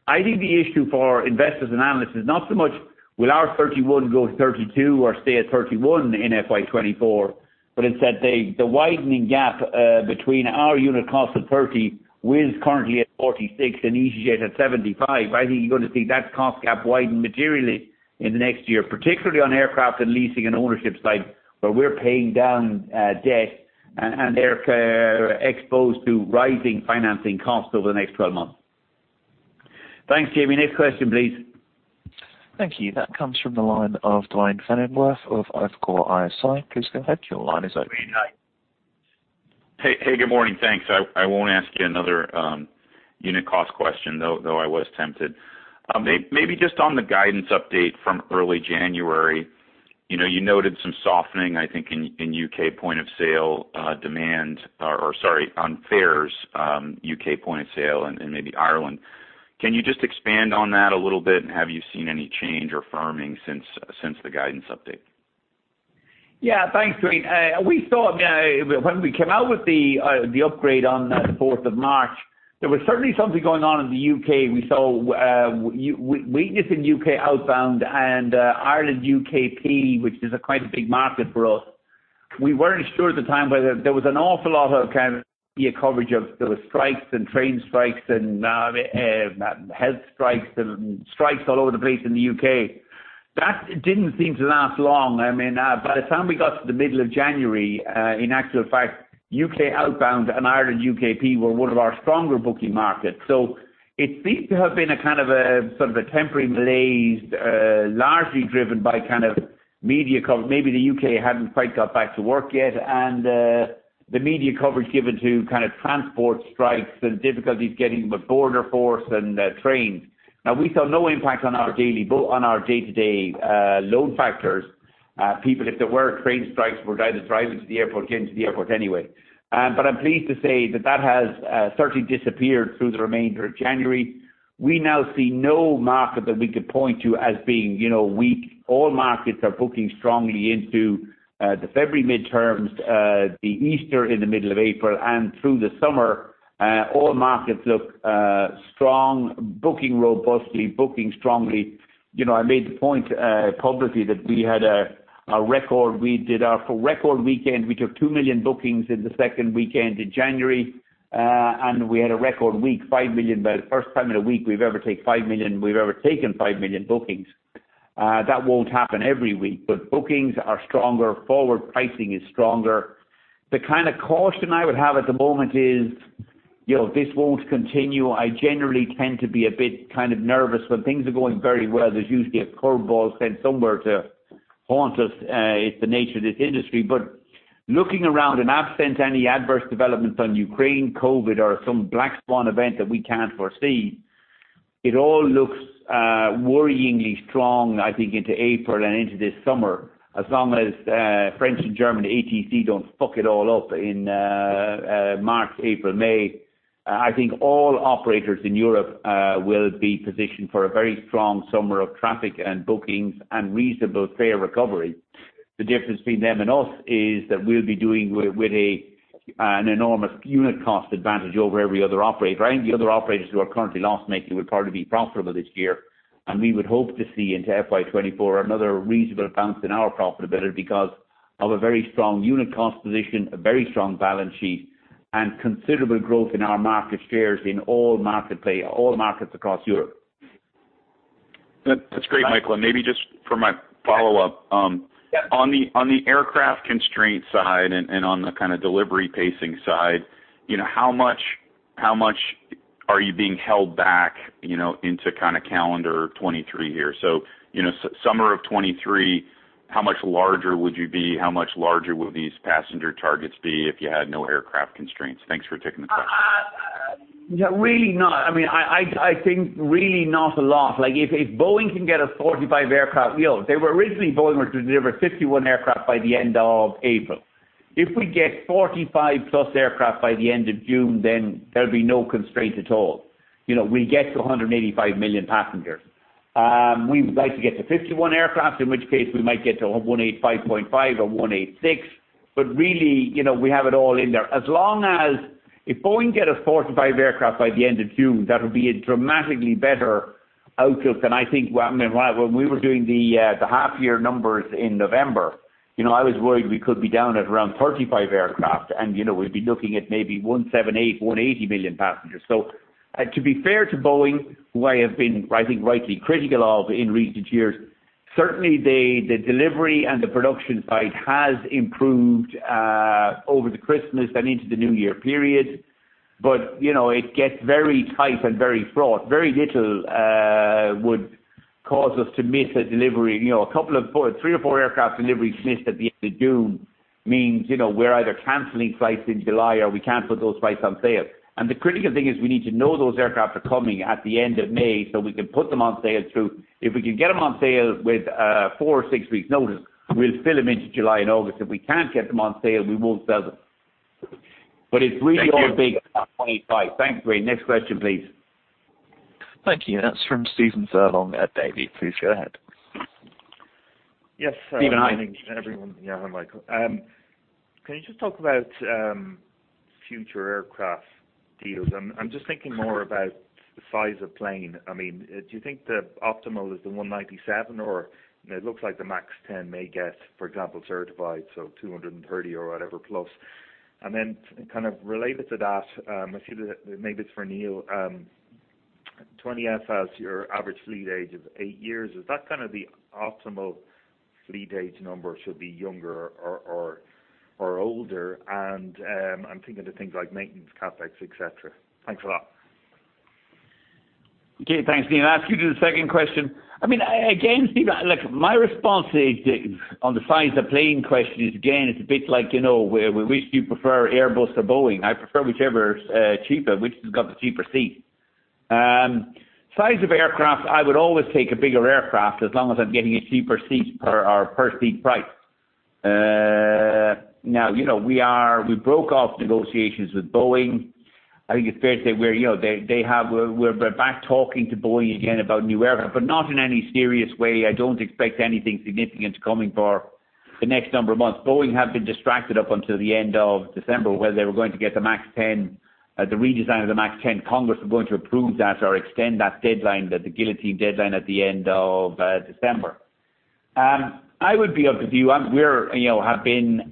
I think the issue for investors and analysts is not so much will our 31 go to 32 or stay at 31 in FY 2024, but instead the widening gap, between our unit cost of 30, Wizz currently at 46 and easyJet at 75. I think you're gonna see that cost gap widen materially in the next year, particularly on aircraft and leasing and ownership side, where we're paying down debt and they're exposed to rising financing costs over the next 12 months. Thanks, Jaime. Next question, please. Thank you. That comes from the line of Duane Pfennigwerth of Evercore ISI. Please go ahead. Your line is open. Duane, hi. Hey, hey, good morning. Thanks. I won't ask you another unit cost question though I was tempted. Maybe just on the guidance update from early January. You know, you noted some softening, I think in U.K. point of sale demand or sorry on fares, U.K. point of sale and maybe Ireland. Can you just expand on that a little bit? Have you seen any change or firming since the guidance update? Thanks Duane. We thought when we came out with the upgrade on the 4th of March, there was certainly something going on in the U.K. We saw weakness in U.K. outbound and Ireland U.K., which is a quite a big market for us. We weren't sure at the time whether there was an awful lot of kind of media coverage of those strikes and train strikes and health strikes and strikes all over the place in the U.K. That didn't seem to last long. I mean, by the time we got to the middle of January, in actual fact, U.K. outbound and Ireland U.K. were one of our stronger booking markets. It seemed to have been a kind of a, sort of a temporary malaise, largely driven by kind of media cover. Maybe the U.K. hadn't quite got back to work yet. The media coverage given to kind of transport strikes and difficulties getting with border force and trains. We saw no impact on our daily book, on our day-to-day load factors. People, if there were train strikes were either driving to the airport or came to the airport anyway. I'm pleased to say that has certainly disappeared through the remainder of January. We now see no market that we could point to as being, you know, weak. All markets are booking strongly into the February midterms, the Easter in the middle of April and through the summer. All markets look strong, booking robustly, booking strongly. You know, I made the point publicly that we had a record. We did our for record weekend, we took 2 million bookings in the second weekend in January. We had a record week, 5 million by the 1st time in a week we've ever taken 5 million bookings. That won't happen every week. Bookings are stronger. Forward pricing is stronger. The kind of caution I would have at the moment is, you know, this won't continue. I generally tend to be a bit kind of nervous when things are going very well. There's usually a curve ball sent somewhere to haunt us. It's the nature of this industry. Looking around and absent any adverse developments on Ukraine, COVID or some black swan event that we can't foresee, it all looks worryingly strong I think into April and into this summer as long as French and German ATC don't eff it all up in March, April, May. I think all operators in Europe will be positioned for a very strong summer of traffic and bookings and reasonable fare recovery. The difference between them and us is that we'll be doing with an enormous unit cost advantage over every other operator. I think the other operators who are currently loss-making will probably be profitable this year, and we would hope to see into FY 2024 another reasonable advance in our profitability because of a very strong unit cost position, a very strong balance sheet, and considerable growth in our market shares in all market play, all markets across Europe. That's great, Michael. Maybe just for my follow-up. Yeah. On the aircraft constraint side and on the kind of delivery pacing side, you know, how much are you being held back, you know, into kind of calendar 2023 here? You know, summer of 2023, how much larger would you be? How much larger would these passenger targets be if you had no aircraft constraints? Thanks for taking the question. Yeah, really not. I mean, I think really not a lot. If Boeing can get us 45 aircraft, you know, they were originally Boeing were to deliver 51 aircraft by the end of April. If we get 45+ aircraft by the end of June, then there'll be no constraint at all. You know, we get to 185 million passengers. We would like to get to 51 aircraft, in which case we might get to 185.5 or 186. Really, you know, we have it all in there. As long as if Boeing get us 45 aircraft by the end of June, that would be a dramatically better outlook than I think when we were doing the half year numbers in November. You know, I was worried we could be down at around 35 aircraft and, you know, we'd be looking at maybe 178 million-180 million passengers. To be fair to Boeing, who I have been, I think rightly critical of in recent years. Certainly, the delivery and the production side has improved over the Christmas and into the New Year period. You know, it gets very tight and very fraught. Very little would cause us to miss a delivery. You know, a couple of three or four aircraft deliveries missed at the end of June means, you know, we're either canceling flights in July or we can't put those flights on sale. The critical thing is we need to know those aircraft are coming at the end of May so we can put them on sale through. If we can get them on sale with four or six weeks notice, we'll fill them into July and August. If we can't get them on sale, we won't sell them. It's really all big EUR 25. Thanks, Duane. Next question, please. Thank you. Next's from Stephen Furlong at Davy. Please go ahead. Yes. Stephen, hi. Good evening, everyone. Yeah, hi Michael. Can you just talk about future aircraft deals? I'm just thinking more about the size of plane. I mean, do you think the optimal is the 197 or it looks like the MAX 10 may get, for example, certified, so 230 or whatever plus? Kind of related to that, I see that maybe it's for Neil. FY 2020, your average fleet age is eight years. Is that kind of the optimal fleet age number should be younger or older. I'm thinking of things like maintenance, CapEx, et cetera. Thanks a lot. Okay. Thanks, Neil. As to the second question. I mean, again, Stephen, look, my response is on the size of plane question is, again, it's a bit like, you know, which do you prefer, Airbus or Boeing? I prefer whichever is cheaper, which has got the cheaper seat. Size of aircraft, I would always take a bigger aircraft as long as I'm getting a cheaper seat per or per seat price. Now, you know, we broke off negotiations with Boeing. I think it's fair to say we're back talking to Boeing again about new aircraft, but not in any serious way. I don't expect anything significant coming for the next number of months. Boeing have been distracted up until the end of December whether they were going to get the MAX 10, the redesign of the MAX 10. Congress were going to approve that or extend that deadline, the guillotine deadline at the end of December. I would be of the view, we're, you know, have been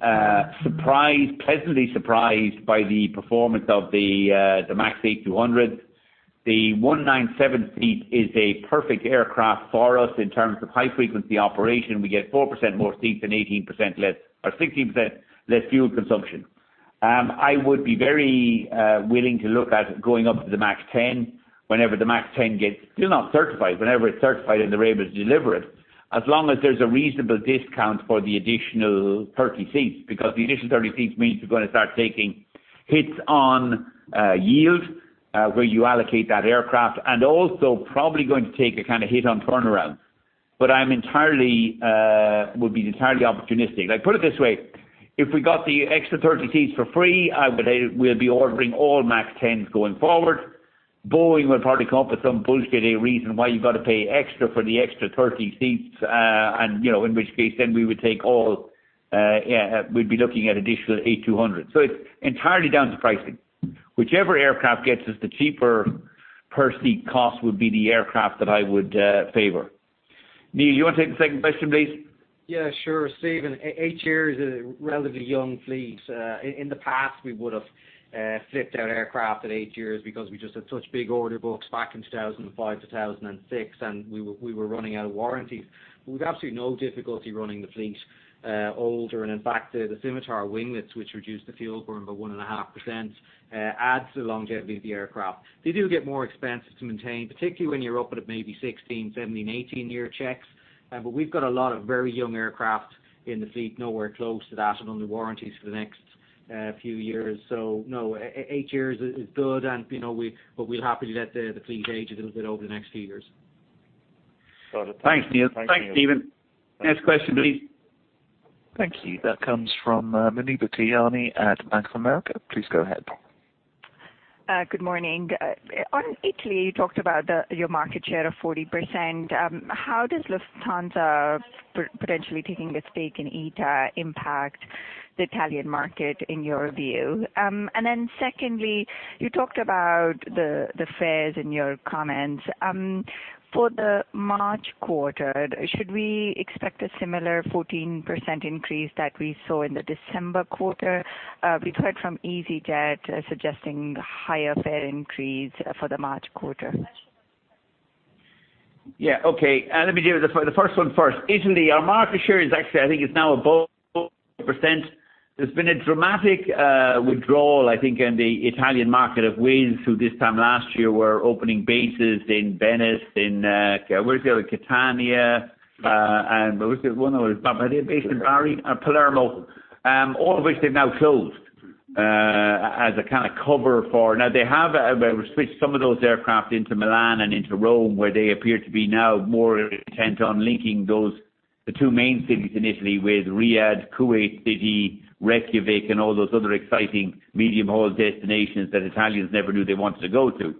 surprised, pleasantly surprised by the performance of the MAX 8-200. The 197 is a perfect aircraft for us in terms of high-frequency operation. We get 4% more seats and 18% less or 16% less fuel consumption. I would be very willing to look at going up to the MAX 10 whenever the MAX 10, still not certified, whenever it's certified, and they're able to deliver it, as long as there's a reasonable discount for the additional 30 seats. The additional 30 seats means we're gonna start taking hits on, yield, where you allocate that aircraft, and also probably going to take a kinda hit on turnaround. I'm entirely, would be entirely opportunistic. Like, put it this way, if we got the extra 30 seats for free, I would say we'll be ordering all MAX 10s going forward. Boeing will probably come up with some bullshit, a reason why you've got to pay extra for the extra 30 seats. You know, in which case then we would take all, we'd be looking at additional 8-200. It's entirely down to pricing. Whichever aircraft gets us the cheaper per seat cost would be the aircraft that I would, favor. Neil, you wanna take the second question, please? Yeah, sure, Stephen. Eight years is a relatively young fleet. In the past, we would've flipped out aircraft at eight years because we just had such big order books back in 2005 to 2006, and we were running out of warranties. We've absolutely no difficulty running the fleet older. In fact, the Scimitar Winglets, which reduce the fuel burn by 1.5%, adds to the longevity of the aircraft. They do get more expensive to maintain, particularly when you're up at maybe 16, 17, 18-year checks. We've got a lot of very young aircraft in the fleet nowhere close to that and under warranties for the next few years. No, eight years is good and, you know, we, but we'll happily let the fleet age a little bit over the next few years. Got it. Thank you. Thanks, Neil. Thanks, Stephen. Next question please. Thank you. That comes from Muneeba Kayani at Bank of America. Please go ahead. Good morning. On Italy, you talked about the, your market share of 40%. How does Lufthansa potentially taking a stake in ITA impact the Italian market in your view? Secondly, you talked about the fares in your comments. For the March quarter, should we expect a similar 14% increase that we saw in the December quarter? We've heard from EasyJet suggesting higher fare increase for the March quarter. Yeah. Okay. Let me deal with the first one first. Italy, our market share is actually, I think it's now above percent. There's been a dramatic withdrawal, I think, in the Italian market of Wizz, who this time last year were opening bases in Venice, in, where's the other, Catania, and where's the one other? Bari. Based in Bari, Palermo, all of which they've now closed, as a kinda cover for... Now they have, well, switched some of those aircraft into Milan and into Rome, where they appear to be now more intent on linking those, the two main cities in Italy with Riyadh, Kuwait City, Reykjavík, and all those other exciting medium-haul destinations that Italians never knew they wanted to go to.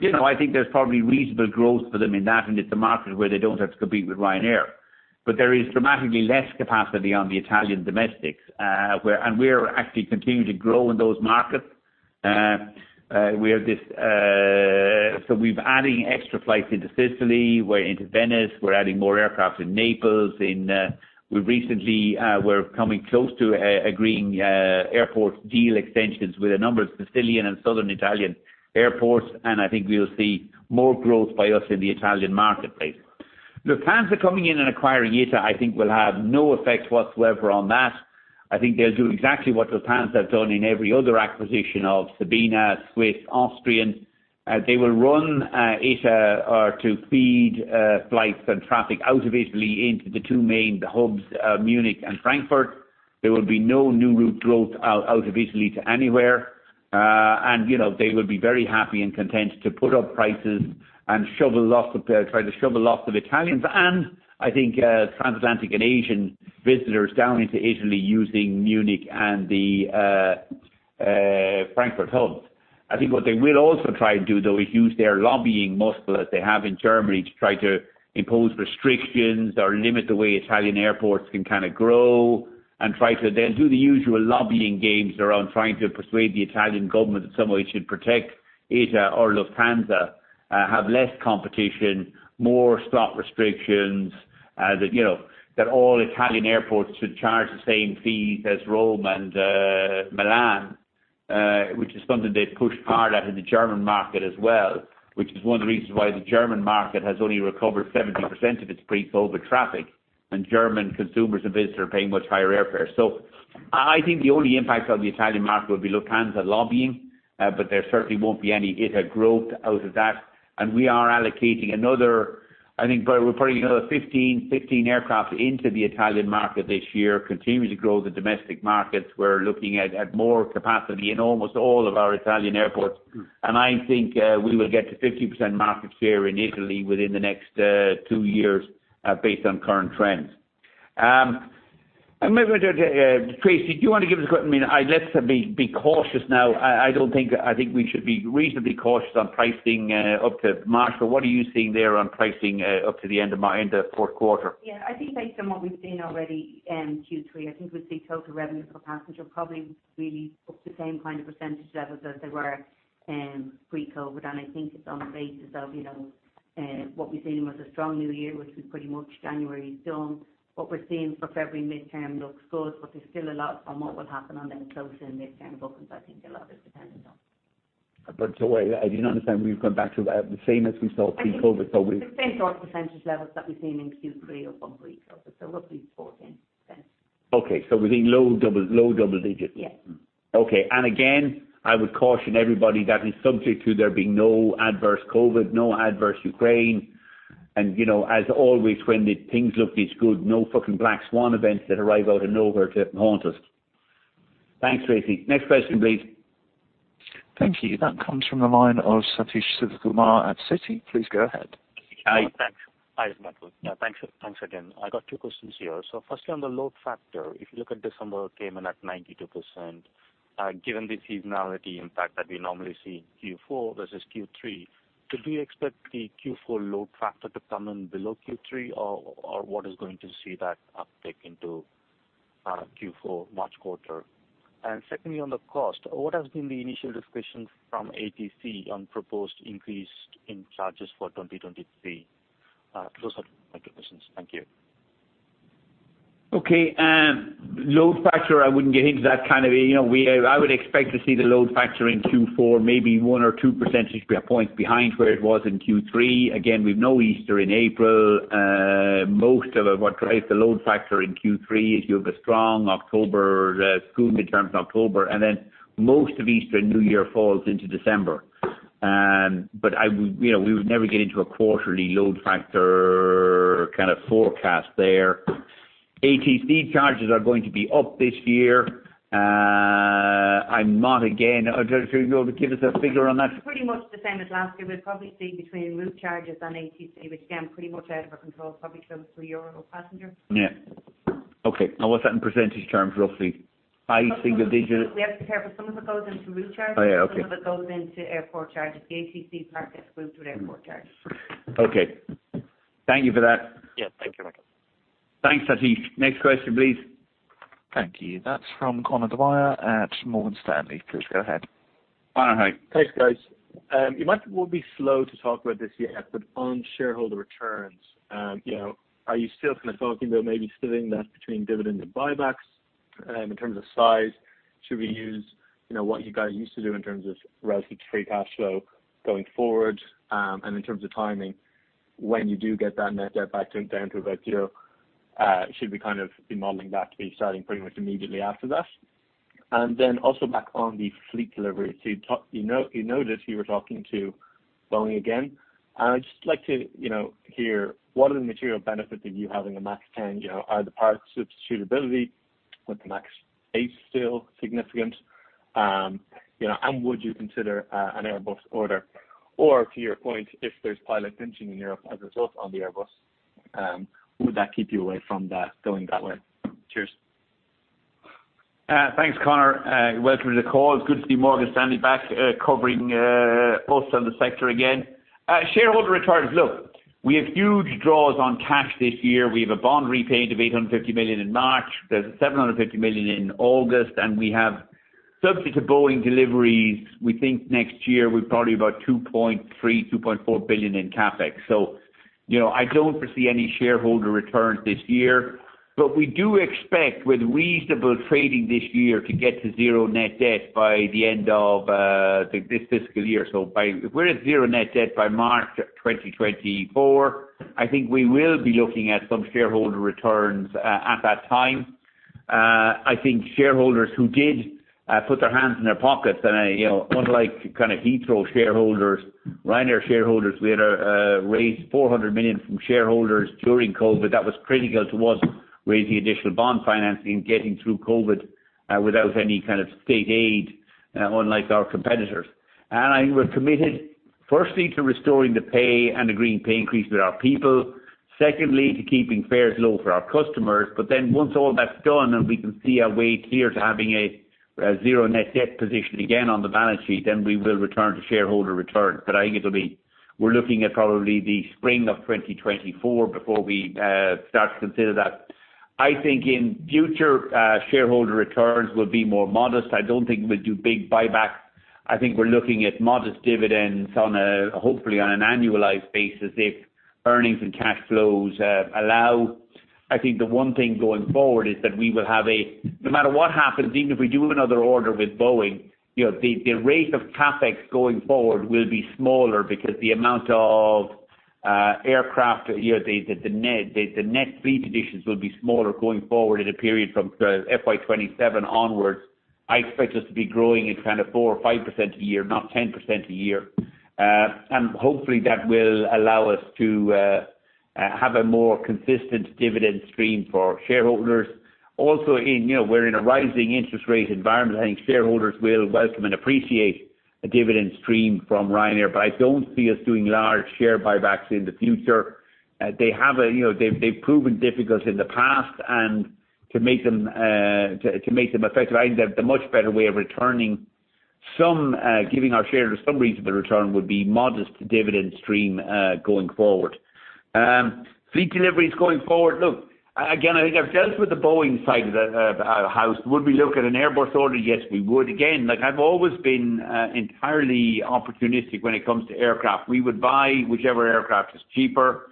You know, I think there's probably reasonable growth for them in that, and it's a market where they don't have to compete with Ryanair. There is dramatically less capacity on the Italian domestics. We're actually continuing to grow in those markets. We have this. We're adding extra flights into Sicily. We're into Venice. We're adding more aircraft in Naples. We recently, we're coming close to agreeing airport deal extensions with a number of Sicilian and Southern Italian airports, and I think we'll see more growth by us in the Italian marketplace. Lufthansa coming in and acquiring ITA, I think will have no effect whatsoever on that. I think they'll do exactly what Lufthansa have done in every other acquisition of Sabena, Swiss, Austrian. They will run ITA or to feed flights and traffic out of Italy into the two main hubs, Munich and Frankfurt. There will be no new route growth out of Italy to anywhere. You know, they will be very happy and content to put up prices and try to shovel lots of Italians and I think transatlantic and Asian visitors down into Italy using Munich and the Frankfurt hubs. I think what they will also try and do, though, is use their lobbying muscle that they have in Germany to try to impose restrictions or limit the way Italian airports can kinda grow and try to then do the usual lobbying games around trying to persuade the Italian government that some way should protect ITA or Lufthansa, have less competition, more slot restrictions. That, you know, that all Italian airports should charge the same fees as Rome and Milan. Which is something they've pushed hard at in the German market as well, which is one of the reasons why the German market has only recovered 70% of its pre-COVID traffic, and German consumers and visitors are paying much higher airfares. I think the only impact on the Italian market would be Lufthansa lobbying, but there certainly won't be any ITA growth out of that. We are allocating another, I think by reporting another 15 aircraft into the Italian market this year, continuing to grow the domestic markets. We're looking at more capacity in almost all of our Italian airports. I think we will get to 50% market share in Italy within the next two years, based on current trends. Maybe Tracey, do you wanna give us a quick... I mean, let's be cautious now. I think we should be reasonably cautious on pricing, up to March. What are you seeing there on pricing, up to the end of fourth quarter? Yeah. I think based on what we've seen already in Q3, I think we see total revenue per passenger probably really up the same kind of percentage levels as they were, pre-COVID. I think it's on the basis of, you know, what we've seen was a strong New Year, which was pretty much January. What we're seeing for February mid-term looks good, but there's still a lot on what will happen on the closer midterm bookings. A lot is dependent on. Wait, I didn't understand. Will you come back to the same as we saw pre-COVID? The same sort of percentage levels that we've seen in Q3 of pre-COVID. roughly 14%. Okay. We're seeing low double digits. Yes. Okay. Again, I would caution everybody that is subject to there being no adverse COVID, no adverse Ukraine. You know, as always, when the things look this good, no black swan events that arrive out of nowhere to haunt us. Thanks, Tracey. Next question, please. Thank you. That comes from the line of Sathish Sivakumar at Citi. Please go ahead. Hi. Thanks. Hi Michael. Yeah, thanks again. I got two questions here. Firstly, on the load factor, if you look at December, it came in at 92%. Given the seasonality impact that we normally see in Q4 versus Q3, could we expect the Q4 load factor to come in below Q3 or what is going to see that uptick into Q4 March quarter? Secondly, on the cost, what has been the initial discussion from ATC on proposed increase in charges for 2023? Those are my two questions. Thank you. Load factor, I wouldn't get into that kind of... You know, I would expect to see the load factor in Q4 maybe 1 or 2 percentage points behind where it was in Q3. Again, we've no Easter in April. Most of what drives the load factor in Q3 is you have a strong October, school midterms October, and then most of Easter and New Year falls into December. I would... You know, we would never get into a quarterly load factor kind of forecast there. ATC charges are going to be up this year. I'm not again... Tracey, you want to give us a figure on that? Pretty much the same as last year. We'll probably see between route charges and ATC, which again, pretty much out of our control, probably around EUR 3 a passenger. Yeah. Okay. What's that in percentage terms, roughly? High single digits? We have to pair, but some of it goes into route charges... Oh, yeah. Okay. Some of it goes into airport charges. The ATC part gets moved to airport charges. Okay. Thank you for that. Yeah. Thank you, Michael. Thanks, Sathish. Next question, please. Thank you. That's from Conor Dwyer at Morgan Stanley. Please go ahead. Conor, hi. Thanks, guys. You might well be slow to talk about this yet, but on shareholder returns, you know, are you still kinda talking about maybe splitting that between dividend and buybacks in terms of size? Should we use, you know, what you guys used to do in terms of relative free cash flow going forward? In terms of timing, when you do get that net debt back down to about 0, should we kind of be modeling that to be starting pretty much immediately after that? Also back on the fleet delivery. You noticed you were talking to Boeing again. I'd just like to, you know, hear what are the material benefits of you having a MAX 10, you know, are the parts substitutability with the MAX 8 still significant? You know, would you consider an Airbus order? To your point, if there's pilot pinching in Europe as a result on the Airbus, would that keep you away from that going that way? Cheers. Thanks, Conor, welcome to the call. It's good to see Morgan Stanley back, covering us and the sector again. Shareholder returns. Look, we have huge draws on cash this year. We have a bond repaid of 850 million in March. There's 750 million in August, and we have subsequent to Boeing deliveries, we think next year we've probably about 2.3 billion-2.4 billion in CapEx. You know, I don't foresee any shareholder returns this year. We do expect with reasonable trading this year to get to zero net debt by the end of, I think this fiscal year. If we're at zero net debt by March 2024, I think we will be looking at some shareholder returns at that time. I think shareholders who did put their hands in their pockets and, you know, unlike kind of Heathrow shareholders, Ryanair shareholders, we had raised 400 million from shareholders during COVID. That was critical to us raising additional bond financing, getting through COVID, without any kind of state aid, unlike our competitors. I think we're committed firstly to restoring the pay and agreeing pay increase with our people, secondly, to keeping fares low for our customers. Once all that's done and we can see a way clear to having a zero net debt position again on the balance sheet, then we will return to shareholder returns. I think it'll be we're looking at probably the spring of 2024 before we start to consider that. I think in future, shareholder returns will be more modest. I don't think we'll do big buybacks. I think we're looking at modest dividends hopefully on an annualized basis if earnings and cash flows allow. I think the one thing going forward is that no matter what happens, even if we do another order with Boeing, you know, the rate of CapEx going forward will be smaller because the amount of aircraft, you know, the net fleet additions will be smaller going forward at a period from FY 2027 onwards. I expect us to be growing at kind of 4% or 5% a year, not 10% a year. Hopefully that will allow us to have a more consistent dividend stream for shareholders. Also in, you know, we're in a rising interest rate environment. I think shareholders will welcome and appreciate a dividend stream from Ryanair. I don't see us doing large share buybacks in the future. They've proven difficult in the past and to make them effective, I think the much better way of returning some, giving our shareholders some reasonable return would be modest dividend stream going forward. Fleet deliveries going forward. Look, again, I think I've dealt with the Boeing side of the house. Would we look at an Airbus order? Yes, we would. Again, like I've always been entirely opportunistic when it comes to aircraft. We would buy whichever aircraft is cheaper.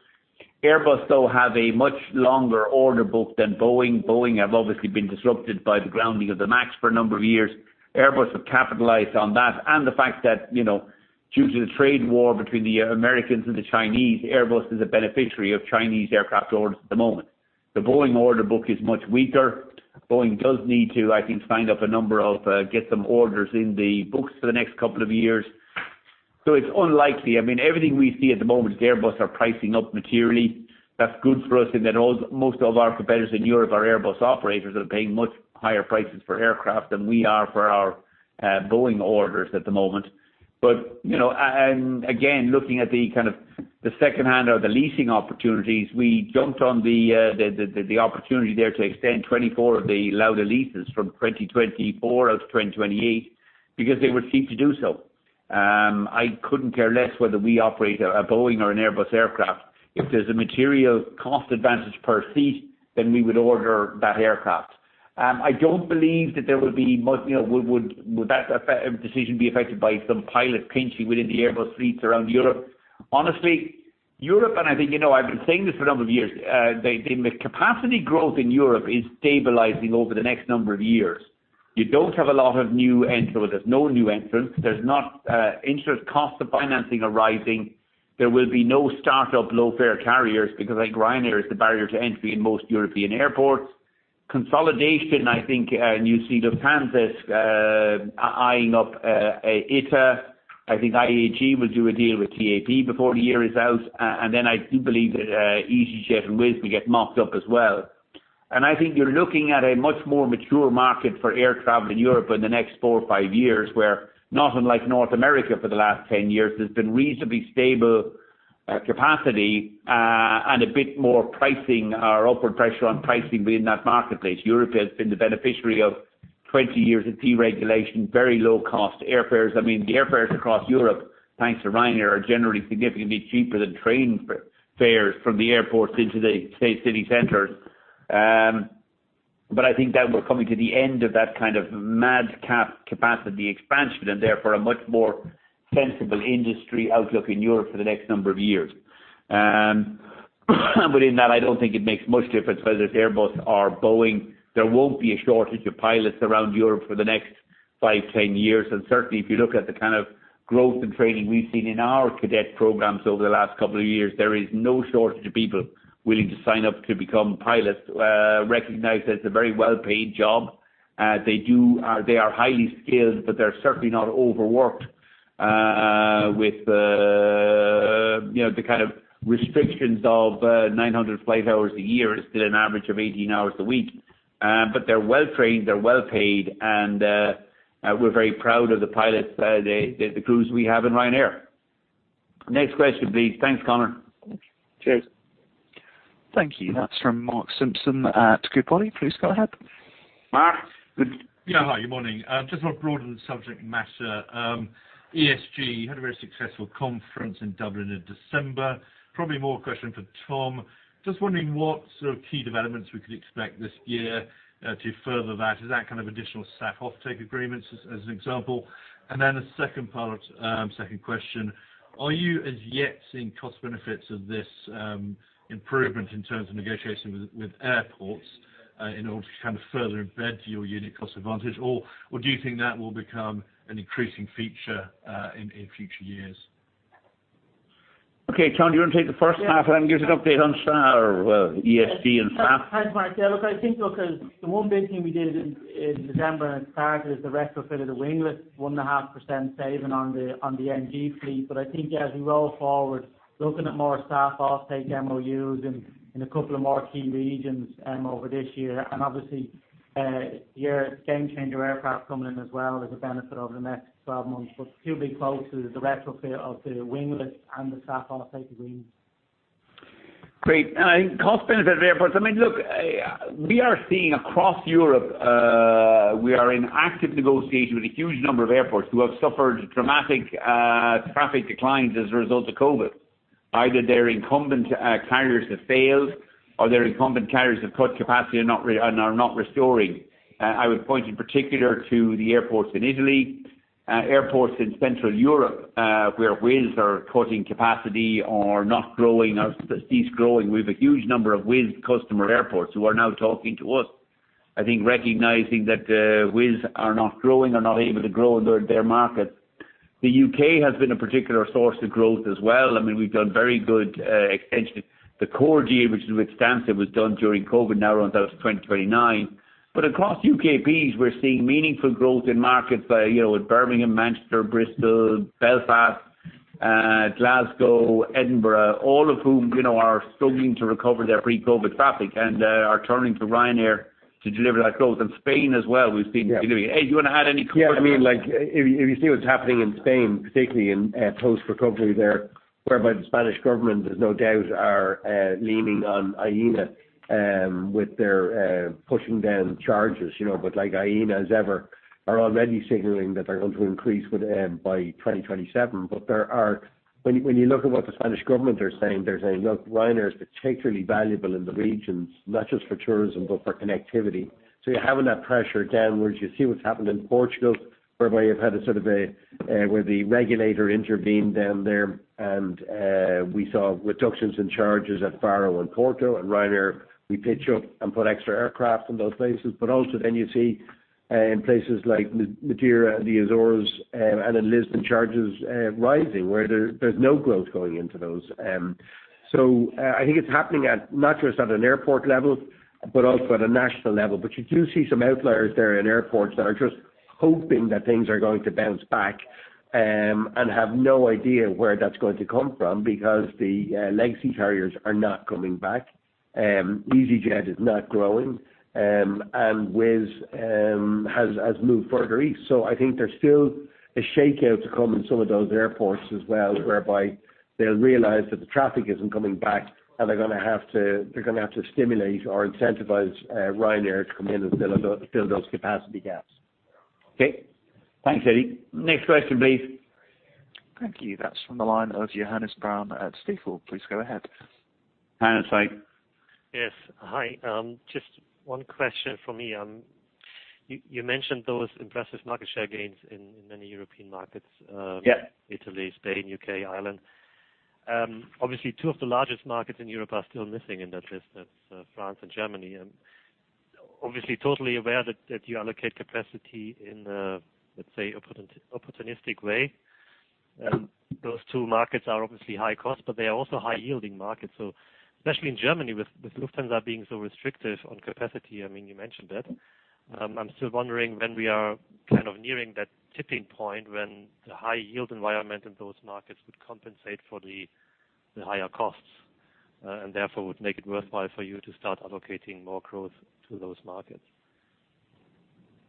Airbus, though, have a much longer order book than Boeing. Boeing have obviously been disrupted by the grounding of the MAX for a number of years. Airbus have capitalized on that and the fact that, you know, due to the trade war between the Americans and the Chinese, Airbus is a beneficiary of Chinese aircraft orders at the moment. The Boeing order book is much weaker. Boeing does need to, I think, sign up a number of, get some orders in the books for the next couple of years. It's unlikely. I mean, everything we see at the moment is Airbus are pricing up materially. That's good for us in that most of our competitors in Europe are Airbus operators that are paying much higher prices for aircraft than we are for our Boeing orders at the moment. You know, and again, looking at the kind of the secondhand or the leasing opportunities, we jumped on the opportunity there to extend 24 of the Lauda leases from 2024 out to 2028 because they were keen to do so. I couldn't care less whether we operate a Boeing or an Airbus aircraft. If there's a material cost advantage per seat, we would order that aircraft. I don't believe that there would be much, you know, would that decision be affected by some pilot pinch within the Airbus fleets around Europe. Honestly, Europe, and I think, you know, I've been saying this for a number of years. The capacity growth in Europe is stabilizing over the next number of years. You don't have a lot of new entrants. There's no new entrants. There's not interest cost of financing are rising. There will be no start of low-fare carriers because like Ryanair is the barrier to entry in most European airports. Consolidation, I think, and you see Lufthansa eyeing up ITA. I think IAG will do a deal with TAP before the year is out. Then I do believe that EasyJet and Wizz will get marked up as well. I think you're looking at a much more mature market for air travel in Europe in the next four or five years, where not unlike North America for the last 10 years, there's been reasonably stable capacity and a bit more pricing or upward pressure on pricing within that marketplace. Europe has been the beneficiary of 20 years of deregulation, very low cost airfares. I mean, the airfares across Europe, thanks to Ryanair, are generally significantly cheaper than train fares from the airports into the state city centers. I think that we're coming to the end of that kind of mad cap-capacity expansion and therefore a much more sensible industry outlook in Europe for the next number of years. Within that, I don't think it makes much difference whether it's Airbus or Boeing. There won't be a shortage of pilots around Europe for the next five, 10 years. Certainly, if you look at the kind of growth and training we've seen in our cadet programs over the last couple of years, there is no shortage of people willing to sign up to become pilots. Recognized as a very well-paid job. They do, they are highly skilled, but they're certainly not overworked, with the, you know, the kind of restrictions of, 900 flight hours a year is still an average of 18 hours a week. But they're well-trained, they're well-paid, and, we're very proud of the pilots, the crews we have in Ryanair. Next question, please. Thanks, Conor. Cheers. Thank you. That's from Mark Simpson at Goodbody. Please go ahead. Mark. Yeah. Hi, good morning. Just want to broaden the subject matter. ESG had a very successful conference in Dublin in December. Probably more a question for Tom. Just wondering what sort of key developments we could expect this year to further that? Is that kind of additional SAF offtake agreements as an example? Then the second part, second question. Are you as yet seeing cost benefits of this improvement in terms of negotiation with airports in order to kind of further embed your unit cost advantage? Or do you think that will become an increasing feature in future years? Okay, Tom, do you want to take the first half and give us an update on ESG and SAF? Thanks, Mark. Yeah, look, I think, look, the one big thing we did in December and it started is the retrofit of the winglets 1.5% saving on the, on the NG fleet. I think as we roll forward, looking at more SAF offtake MOUs in a couple of more key regions, over this year. Obviously, your Gamechanger aircraft coming in as well as a benefit over the next 12 months. Two big focuses, the retrofit of the winglets and the SAF offtake agreements. Cost benefit of airports. I mean, look, we are seeing across Europe, we are in active negotiation with a huge number of airports who have suffered dramatic traffic declines as a result of COVID. Either their incumbent carriers have failed or their incumbent carriers have cut capacity and are not restoring. I would point in particular to the airports in Italy, airports in Central Europe, where Wizz are cutting capacity or not growing or cease growing. We have a huge number of Wizz customer airports who are now talking to us. I think recognizing that Wizz are not growing or not able to grow their market. The U.K. has been a particular source of growth as well. I mean, we've done very good extension. The core deal, which is with Stansted, was done during COVID, now runs out to 2029. Across UKPs, we're seeing meaningful growth in markets by, you know, at Birmingham, Manchester, Bristol, Belfast, Glasgow, Edinburgh, all of whom, you know, are struggling to recover their pre-COVID traffic and are turning to Ryanair to deliver that growth. In Spain as well, we've seen. Yeah. Eddie, do you wanna add any comment on that? Yeah. I mean, like if you see what's happening in Spain, particularly in post-recovery there, whereby the Spanish government there's no doubt are leaning on AENA with their pushing down charges, you know. Like AENA as ever, are already signaling that they're going to increase with by 2027. When you look at what the Spanish government are saying, they're saying, "Look, Ryanair is particularly valuable in the regions, not just for tourism, but for connectivity." You're having that pressure downwards. You see what's happened in Portugal, whereby you've had a sort of a where the regulator intervened down there and we saw reductions in charges at Faro and Porto and Ryanair, we pitch up and put extra aircraft in those places. You see in places like Madeira and the Azores, and in Lisbon, charges rising where there's no growth going into those. I think it's happening at not just at an airport level, but also at a national level. You do see some outliers there in airports that are just hoping that things are going to bounce back, and have no idea where that's going to come from because the legacy carriers are not coming back. EasyJet is not growing, and Wizz has moved further east. I think there's still a shakeout to come in some of those airports as well, whereby they'll realize that the traffic isn't coming back and they're gonna have to stimulate or incentivize Ryanair to come in and fill those capacity gaps. Okay. Thanks, Eddie. Next question, please. Thank you. That's from the line of Johannes Braun at Stifel. Please go ahead. Johannes, hi. Yes. Hi. Just one question from me. You mentioned those impressive market share gains in many European markets, Yeah. Italy, Spain, U.K., Ireland. Obviously two of the largest markets in Europe are still missing in that list. That's France and Germany. Obviously totally aware that you allocate capacity in a, let's say, opportunistic way. Those two markets are obviously high cost, but they are also high yielding markets. Especially in Germany with Lufthansa being so restrictive on capacity, I mean, you mentioned it. I'm still wondering when we are kind of nearing that tipping point when the high yield environment in those markets would compensate for the higher costs and therefore would make it worthwhile for you to start allocating more growth to those markets.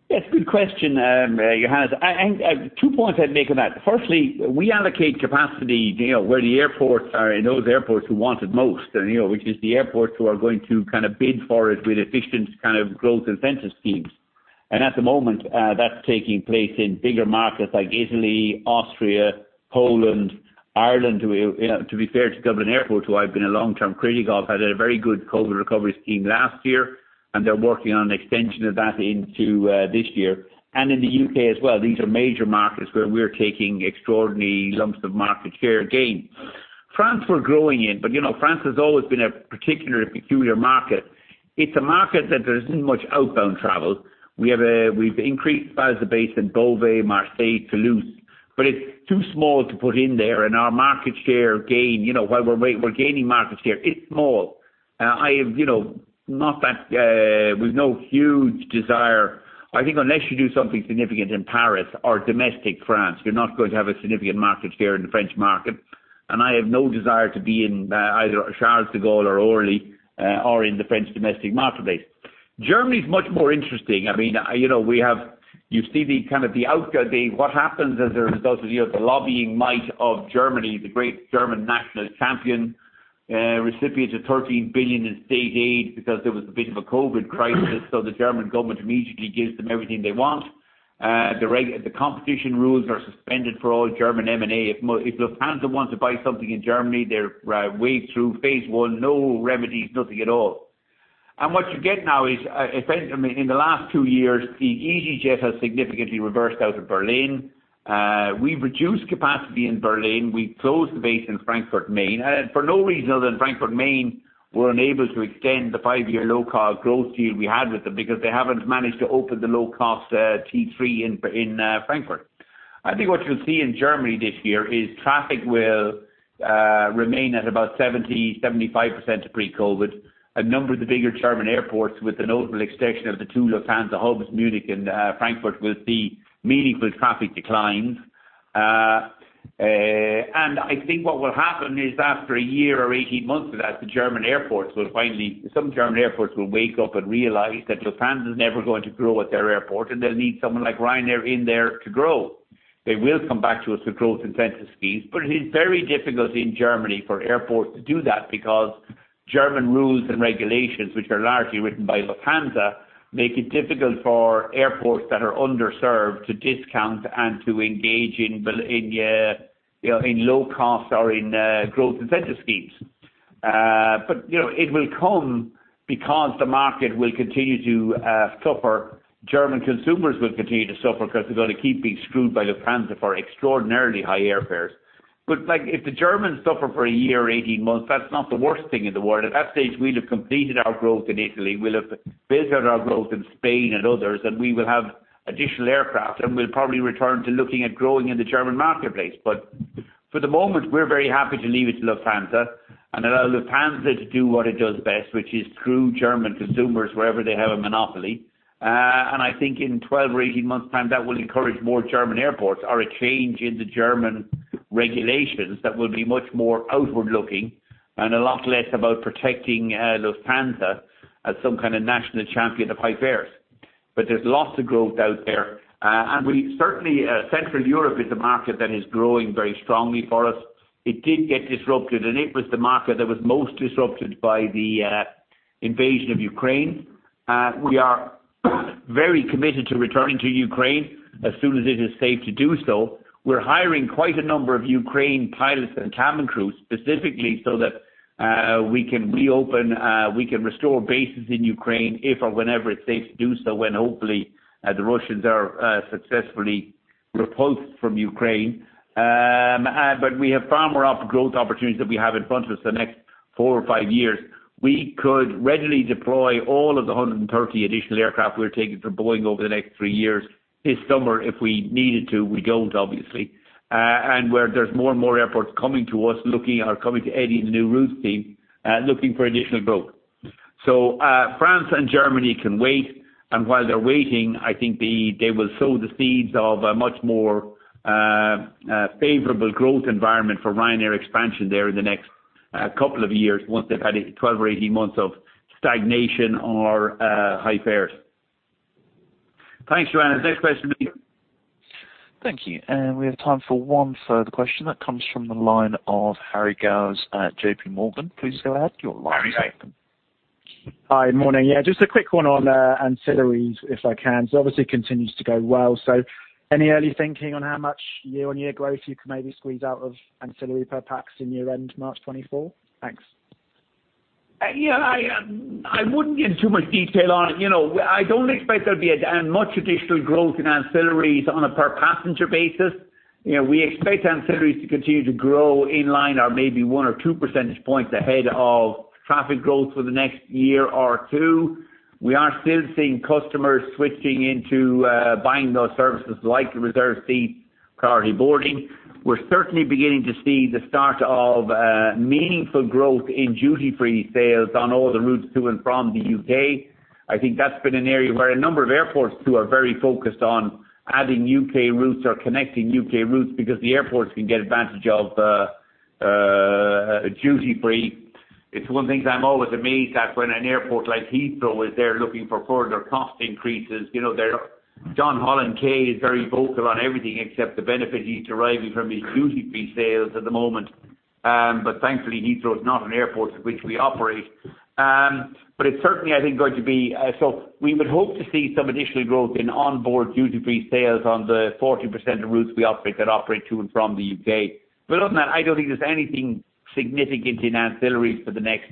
Yeah, it's a good question, Johannes. Two points I'd make on that. Firstly, we allocate capacity, you know, where the airports are, in those airports who want it most and, you know, which is the airports who are going to kind of bid for it with efficient kind of growth incentive schemes. At the moment, that's taking place in bigger markets like Italy, Austria, Poland, Ireland, you know, to be fair to Dublin Airport, who I've been a long-term critic of, had a very good COVID recovery scheme last year, and they're working on an extension of that into this year. In the U.K. as well. These are major markets where we're taking extraordinary lumps of market share gain. France we're growing in, but you know, France has always been a particular peculiar market. It's a market that there isn't much outbound travel. We've increased size of the base in Beauvais, Marseille, Toulouse, it's too small to put in there. Our market share gain, you know, while we're gaining market share, it's small. I have, you know, not that, with no huge desire. I think unless you do something significant in Paris or domestic France, you're not going to have a significant market share in the French market. I have no desire to be in either Charles de Gaulle or Orly or in the French domestic marketplace. Germany is much more interesting. I mean, you know, you see the kind of the what happens as a result of, you know, the lobbying might of Germany, the great German nationalist champion, recipient of 13 billion in state aid because there was a bit of a COVID crisis. The German government immediately gives them everything they want. The competition rules are suspended for all German M&A. If Lufthansa wants to buy something in Germany, they wade through phase one, no remedies, nothing at all. What you get now is, I mean, in the last two years, easyJet has significantly reversed out of Berlin. We've reduced capacity in Berlin. We closed the base in Frankfurt Main. For no reason other than Frankfurt Main were unable to extend the five-year low-cost growth deal we had with them because they haven't managed to open the low-cost T3 in Frankfurt. I think what you'll see in Germany this year is traffic will remain at about 70%-75% to pre-COVID. A number of the bigger German airports with the notable exception of the two Lufthansa hubs, Munich and Frankfurt, will see meaningful traffic declines. I think what will happen is after a year or 18 months of that, some German airports will wake up and realize that Lufthansa is never going to grow at their airport, and they'll need someone like Ryanair in there to grow. They will come back to us with growth incentive schemes, but it is very difficult in Germany for airports to do that because German rules and regulations, which are largely written by Lufthansa, make it difficult for airports that are underserved to discount and to engage in, you know, in low cost or in growth incentive schemes. You know, it will come because the market will continue to suffer. German consumers will continue to suffer 'cause they're gonna keep being screwed by Lufthansa for extraordinarily high airfares. Like, if the Germans suffer for a year or 18 months, that's not the worst thing in the world. At that stage, we'll have completed our growth in Italy. We'll have built out our growth in Spain and others, and we will have additional aircraft, and we'll probably return to looking at growing in the German marketplace. For the moment, we're very happy to leave it to Lufthansa and allow Lufthansa to do what it does best, which is screw German consumers wherever they have a monopoly. I think in 12 or 18 months' time, that will encourage more German airports or a change in the German regulations that will be much more outward-looking and a lot less about protecting, Lufthansa as some kind of national champion of high fares. There's lots of growth out there. We certainly, Central Europe is a market that is growing very strongly for us. It did get disrupted, and it was the market that was most disrupted by the invasion of Ukraine. We are very committed to returning to Ukraine as soon as it is safe to do so. We're hiring quite a number of Ukraine pilots and cabin crews specifically so that we can reopen, we can restore bases in Ukraine if or whenever it's safe to do so, when hopefully the Russians are successfully repulsed from Ukraine. We have far more growth opportunities that we have in front of us the next four or five years. We could readily deploy all of the 130 additional aircraft we're taking from Boeing over the next three years this summer if we needed to. We don't, obviously. Where there's more and more airports coming to us looking or coming to Eddie in the New Routes team, looking for additional growth. France and Germany can wait, and while they're waiting, I think they will sow the seeds of a much more favorable growth environment for Ryanair expansion there in the next couple of years once they've had 12 or 18 months of stagnation or high fares. Thanks, Johannes. Next question please. Thank you. We have time for one further question. That comes from the line of Harry Gowers at JPMorgan. Please go ahead. Your line's open. Harry, hi. Hi. Morning. Yeah, just a quick one on ancillaries if I can. Obviously it continues to go well. Any early thinking on how much year-on-year growth you could maybe squeeze out of ancillary per pax in year-end March 2024? Thanks. I wouldn't get into too much detail on it. You know, I don't expect there'll be much additional growth in ancillaries on a per passenger basis. You know, we expect ancillaries to continue to grow in line or maybe one or two percentage points ahead of traffic growth for the next year or two. We are still seeing customers switching into buying those services like reserved seats, priority boarding. We're certainly beginning to see the start of meaningful growth in duty-free sales on all the routes to and from the U.K. I think that's been an area where a number of airports too are very focused on adding U.K. routes or connecting U.K. routes because the airports can get advantage of duty free. It's one of the things I'm always amazed at when an airport like Heathrow is there looking for further cost increases. You know, John Holland-Kaye is very vocal on everything except the benefit he's deriving from his duty-free sales at the moment. Thankfully, Heathrow is not an airport at which we operate. We would hope to see some additional growth in onboard duty-free sales on the 40% of routes we operate that operate to and from the U.K. Other than that, I don't think there's anything significant in ancillaries for the next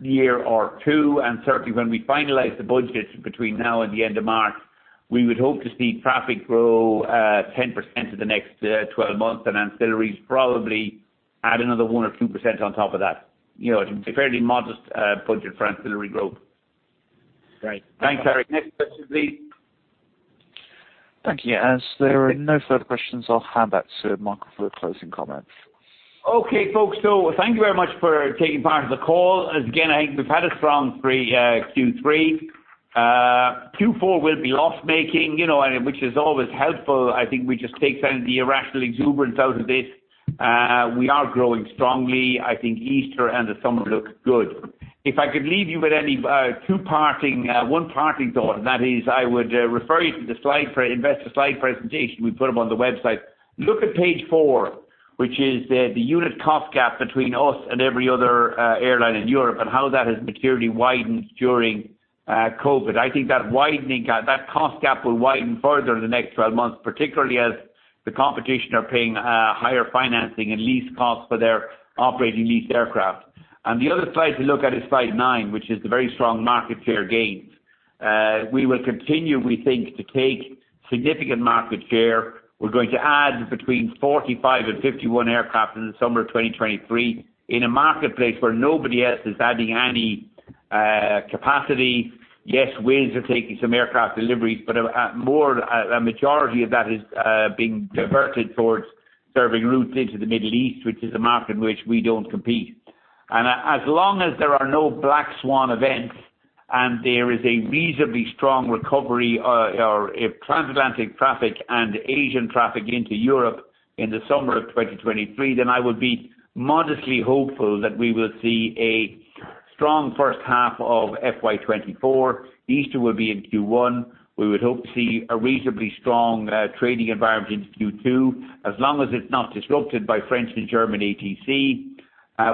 year or two. Certainly, when we finalize the budgets between now and the end of March, we would hope to see traffic grow, 10% for the next, 12 months, and ancillaries probably add another 1% or 2% on top of that. You know, it's a fairly modest budget for ancillary growth. Great. Thanks, Harry. Next question please. Thank you. As there are no further questions, I'll hand back to Michael for closing comments. Okay, folks. Thank you very much for taking part in the call. As again, I think we've had a strong Q3. Q4 will be loss-making, you know, which is always helpful. I think we just take some of the irrational exuberance out of this. We are growing strongly. I think Easter and the summer look good. If I could leave you with any, two parting, one parting thought, I would refer you to the pre-investor slide presentation. We put them on the website. Look at page four, which is the unit cost gap between us and every other airline in Europe and how that has materially widened during COVID. I think that widening gap, that cost gap will widen further in the next 12 months, particularly as the competition are paying higher financing and lease costs for their operating lease aircraft. The other slide to look at is slide 9, which is the very strong market share gains. We will continue, we think, to take significant market share. We're going to add between 45 and 51 aircraft in the summer of 2023 in a marketplace where nobody else is adding any capacity. Wizz are taking some aircraft deliveries, but a majority of that is being diverted towards serving routes into the Middle East, which is a market in which we don't compete. As long as there are no black swan events and there is a reasonably strong recovery, or if transatlantic traffic and Asian traffic into Europe in the summer of 2023, then I would be modestly hopeful that we will see a strong first half of FY 2024. Easter will be in Q1. We would hope to see a reasonably strong trading environment into Q2, as long as it's not disrupted by French and German ATC.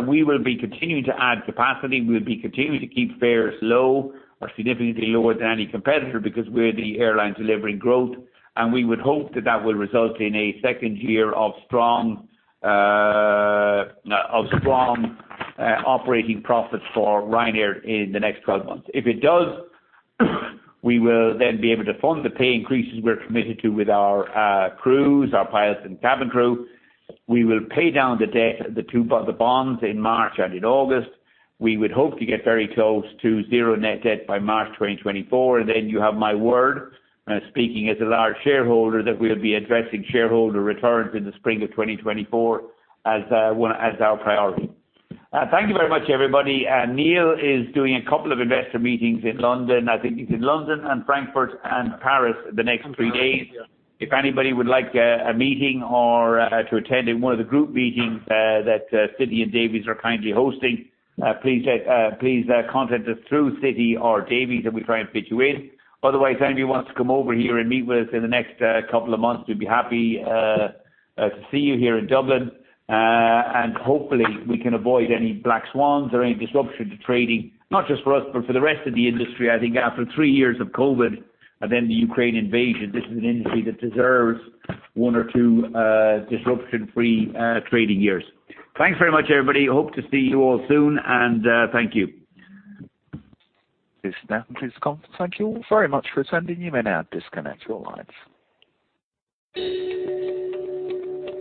We will be continuing to add capacity. We'll be continuing to keep fares low or significantly lower than any competitor because we're the airline delivering growth, and we would hope that that will result in a second year of strong, no, of strong operating profits for Ryanair in the next 12 months. If it does, we will then be able to fund the pay increases we're committed to with our crews, our pilots and cabin crew. We will pay down the debt, the two bonds in March and in August. We would hope to get very close to zero net debt by March 2024. Then you have my word, speaking as a large shareholder, that we'll be addressing shareholder returns in the spring of 2024 as our priority. Thank you very much, everybody. Neil is doing a couple of investor meetings in London. I think he's in London and Frankfurt and Paris the next three days. If anybody would like a meeting or to attend in one of the group meetings that Citi and Davy are kindly hosting, please contact us through Citi or Davy, and we'll try and fit you in. Otherwise, if anybody wants to come over here and meet with us in the next two months, we'd be happy to see you here in Dublin. Hopefully we can avoid any black swans or any disruption to trading, not just for us, but for the rest of the industry. I think after three years of COVID and then the Ukraine invasion, this is an industry that deserves one or two disruption-free trading years. Thanks very much, everybody. Hope to see you all soon, and thank you. This now concludes the conference. Thank you all very much for attending. You may now disconnect your lines.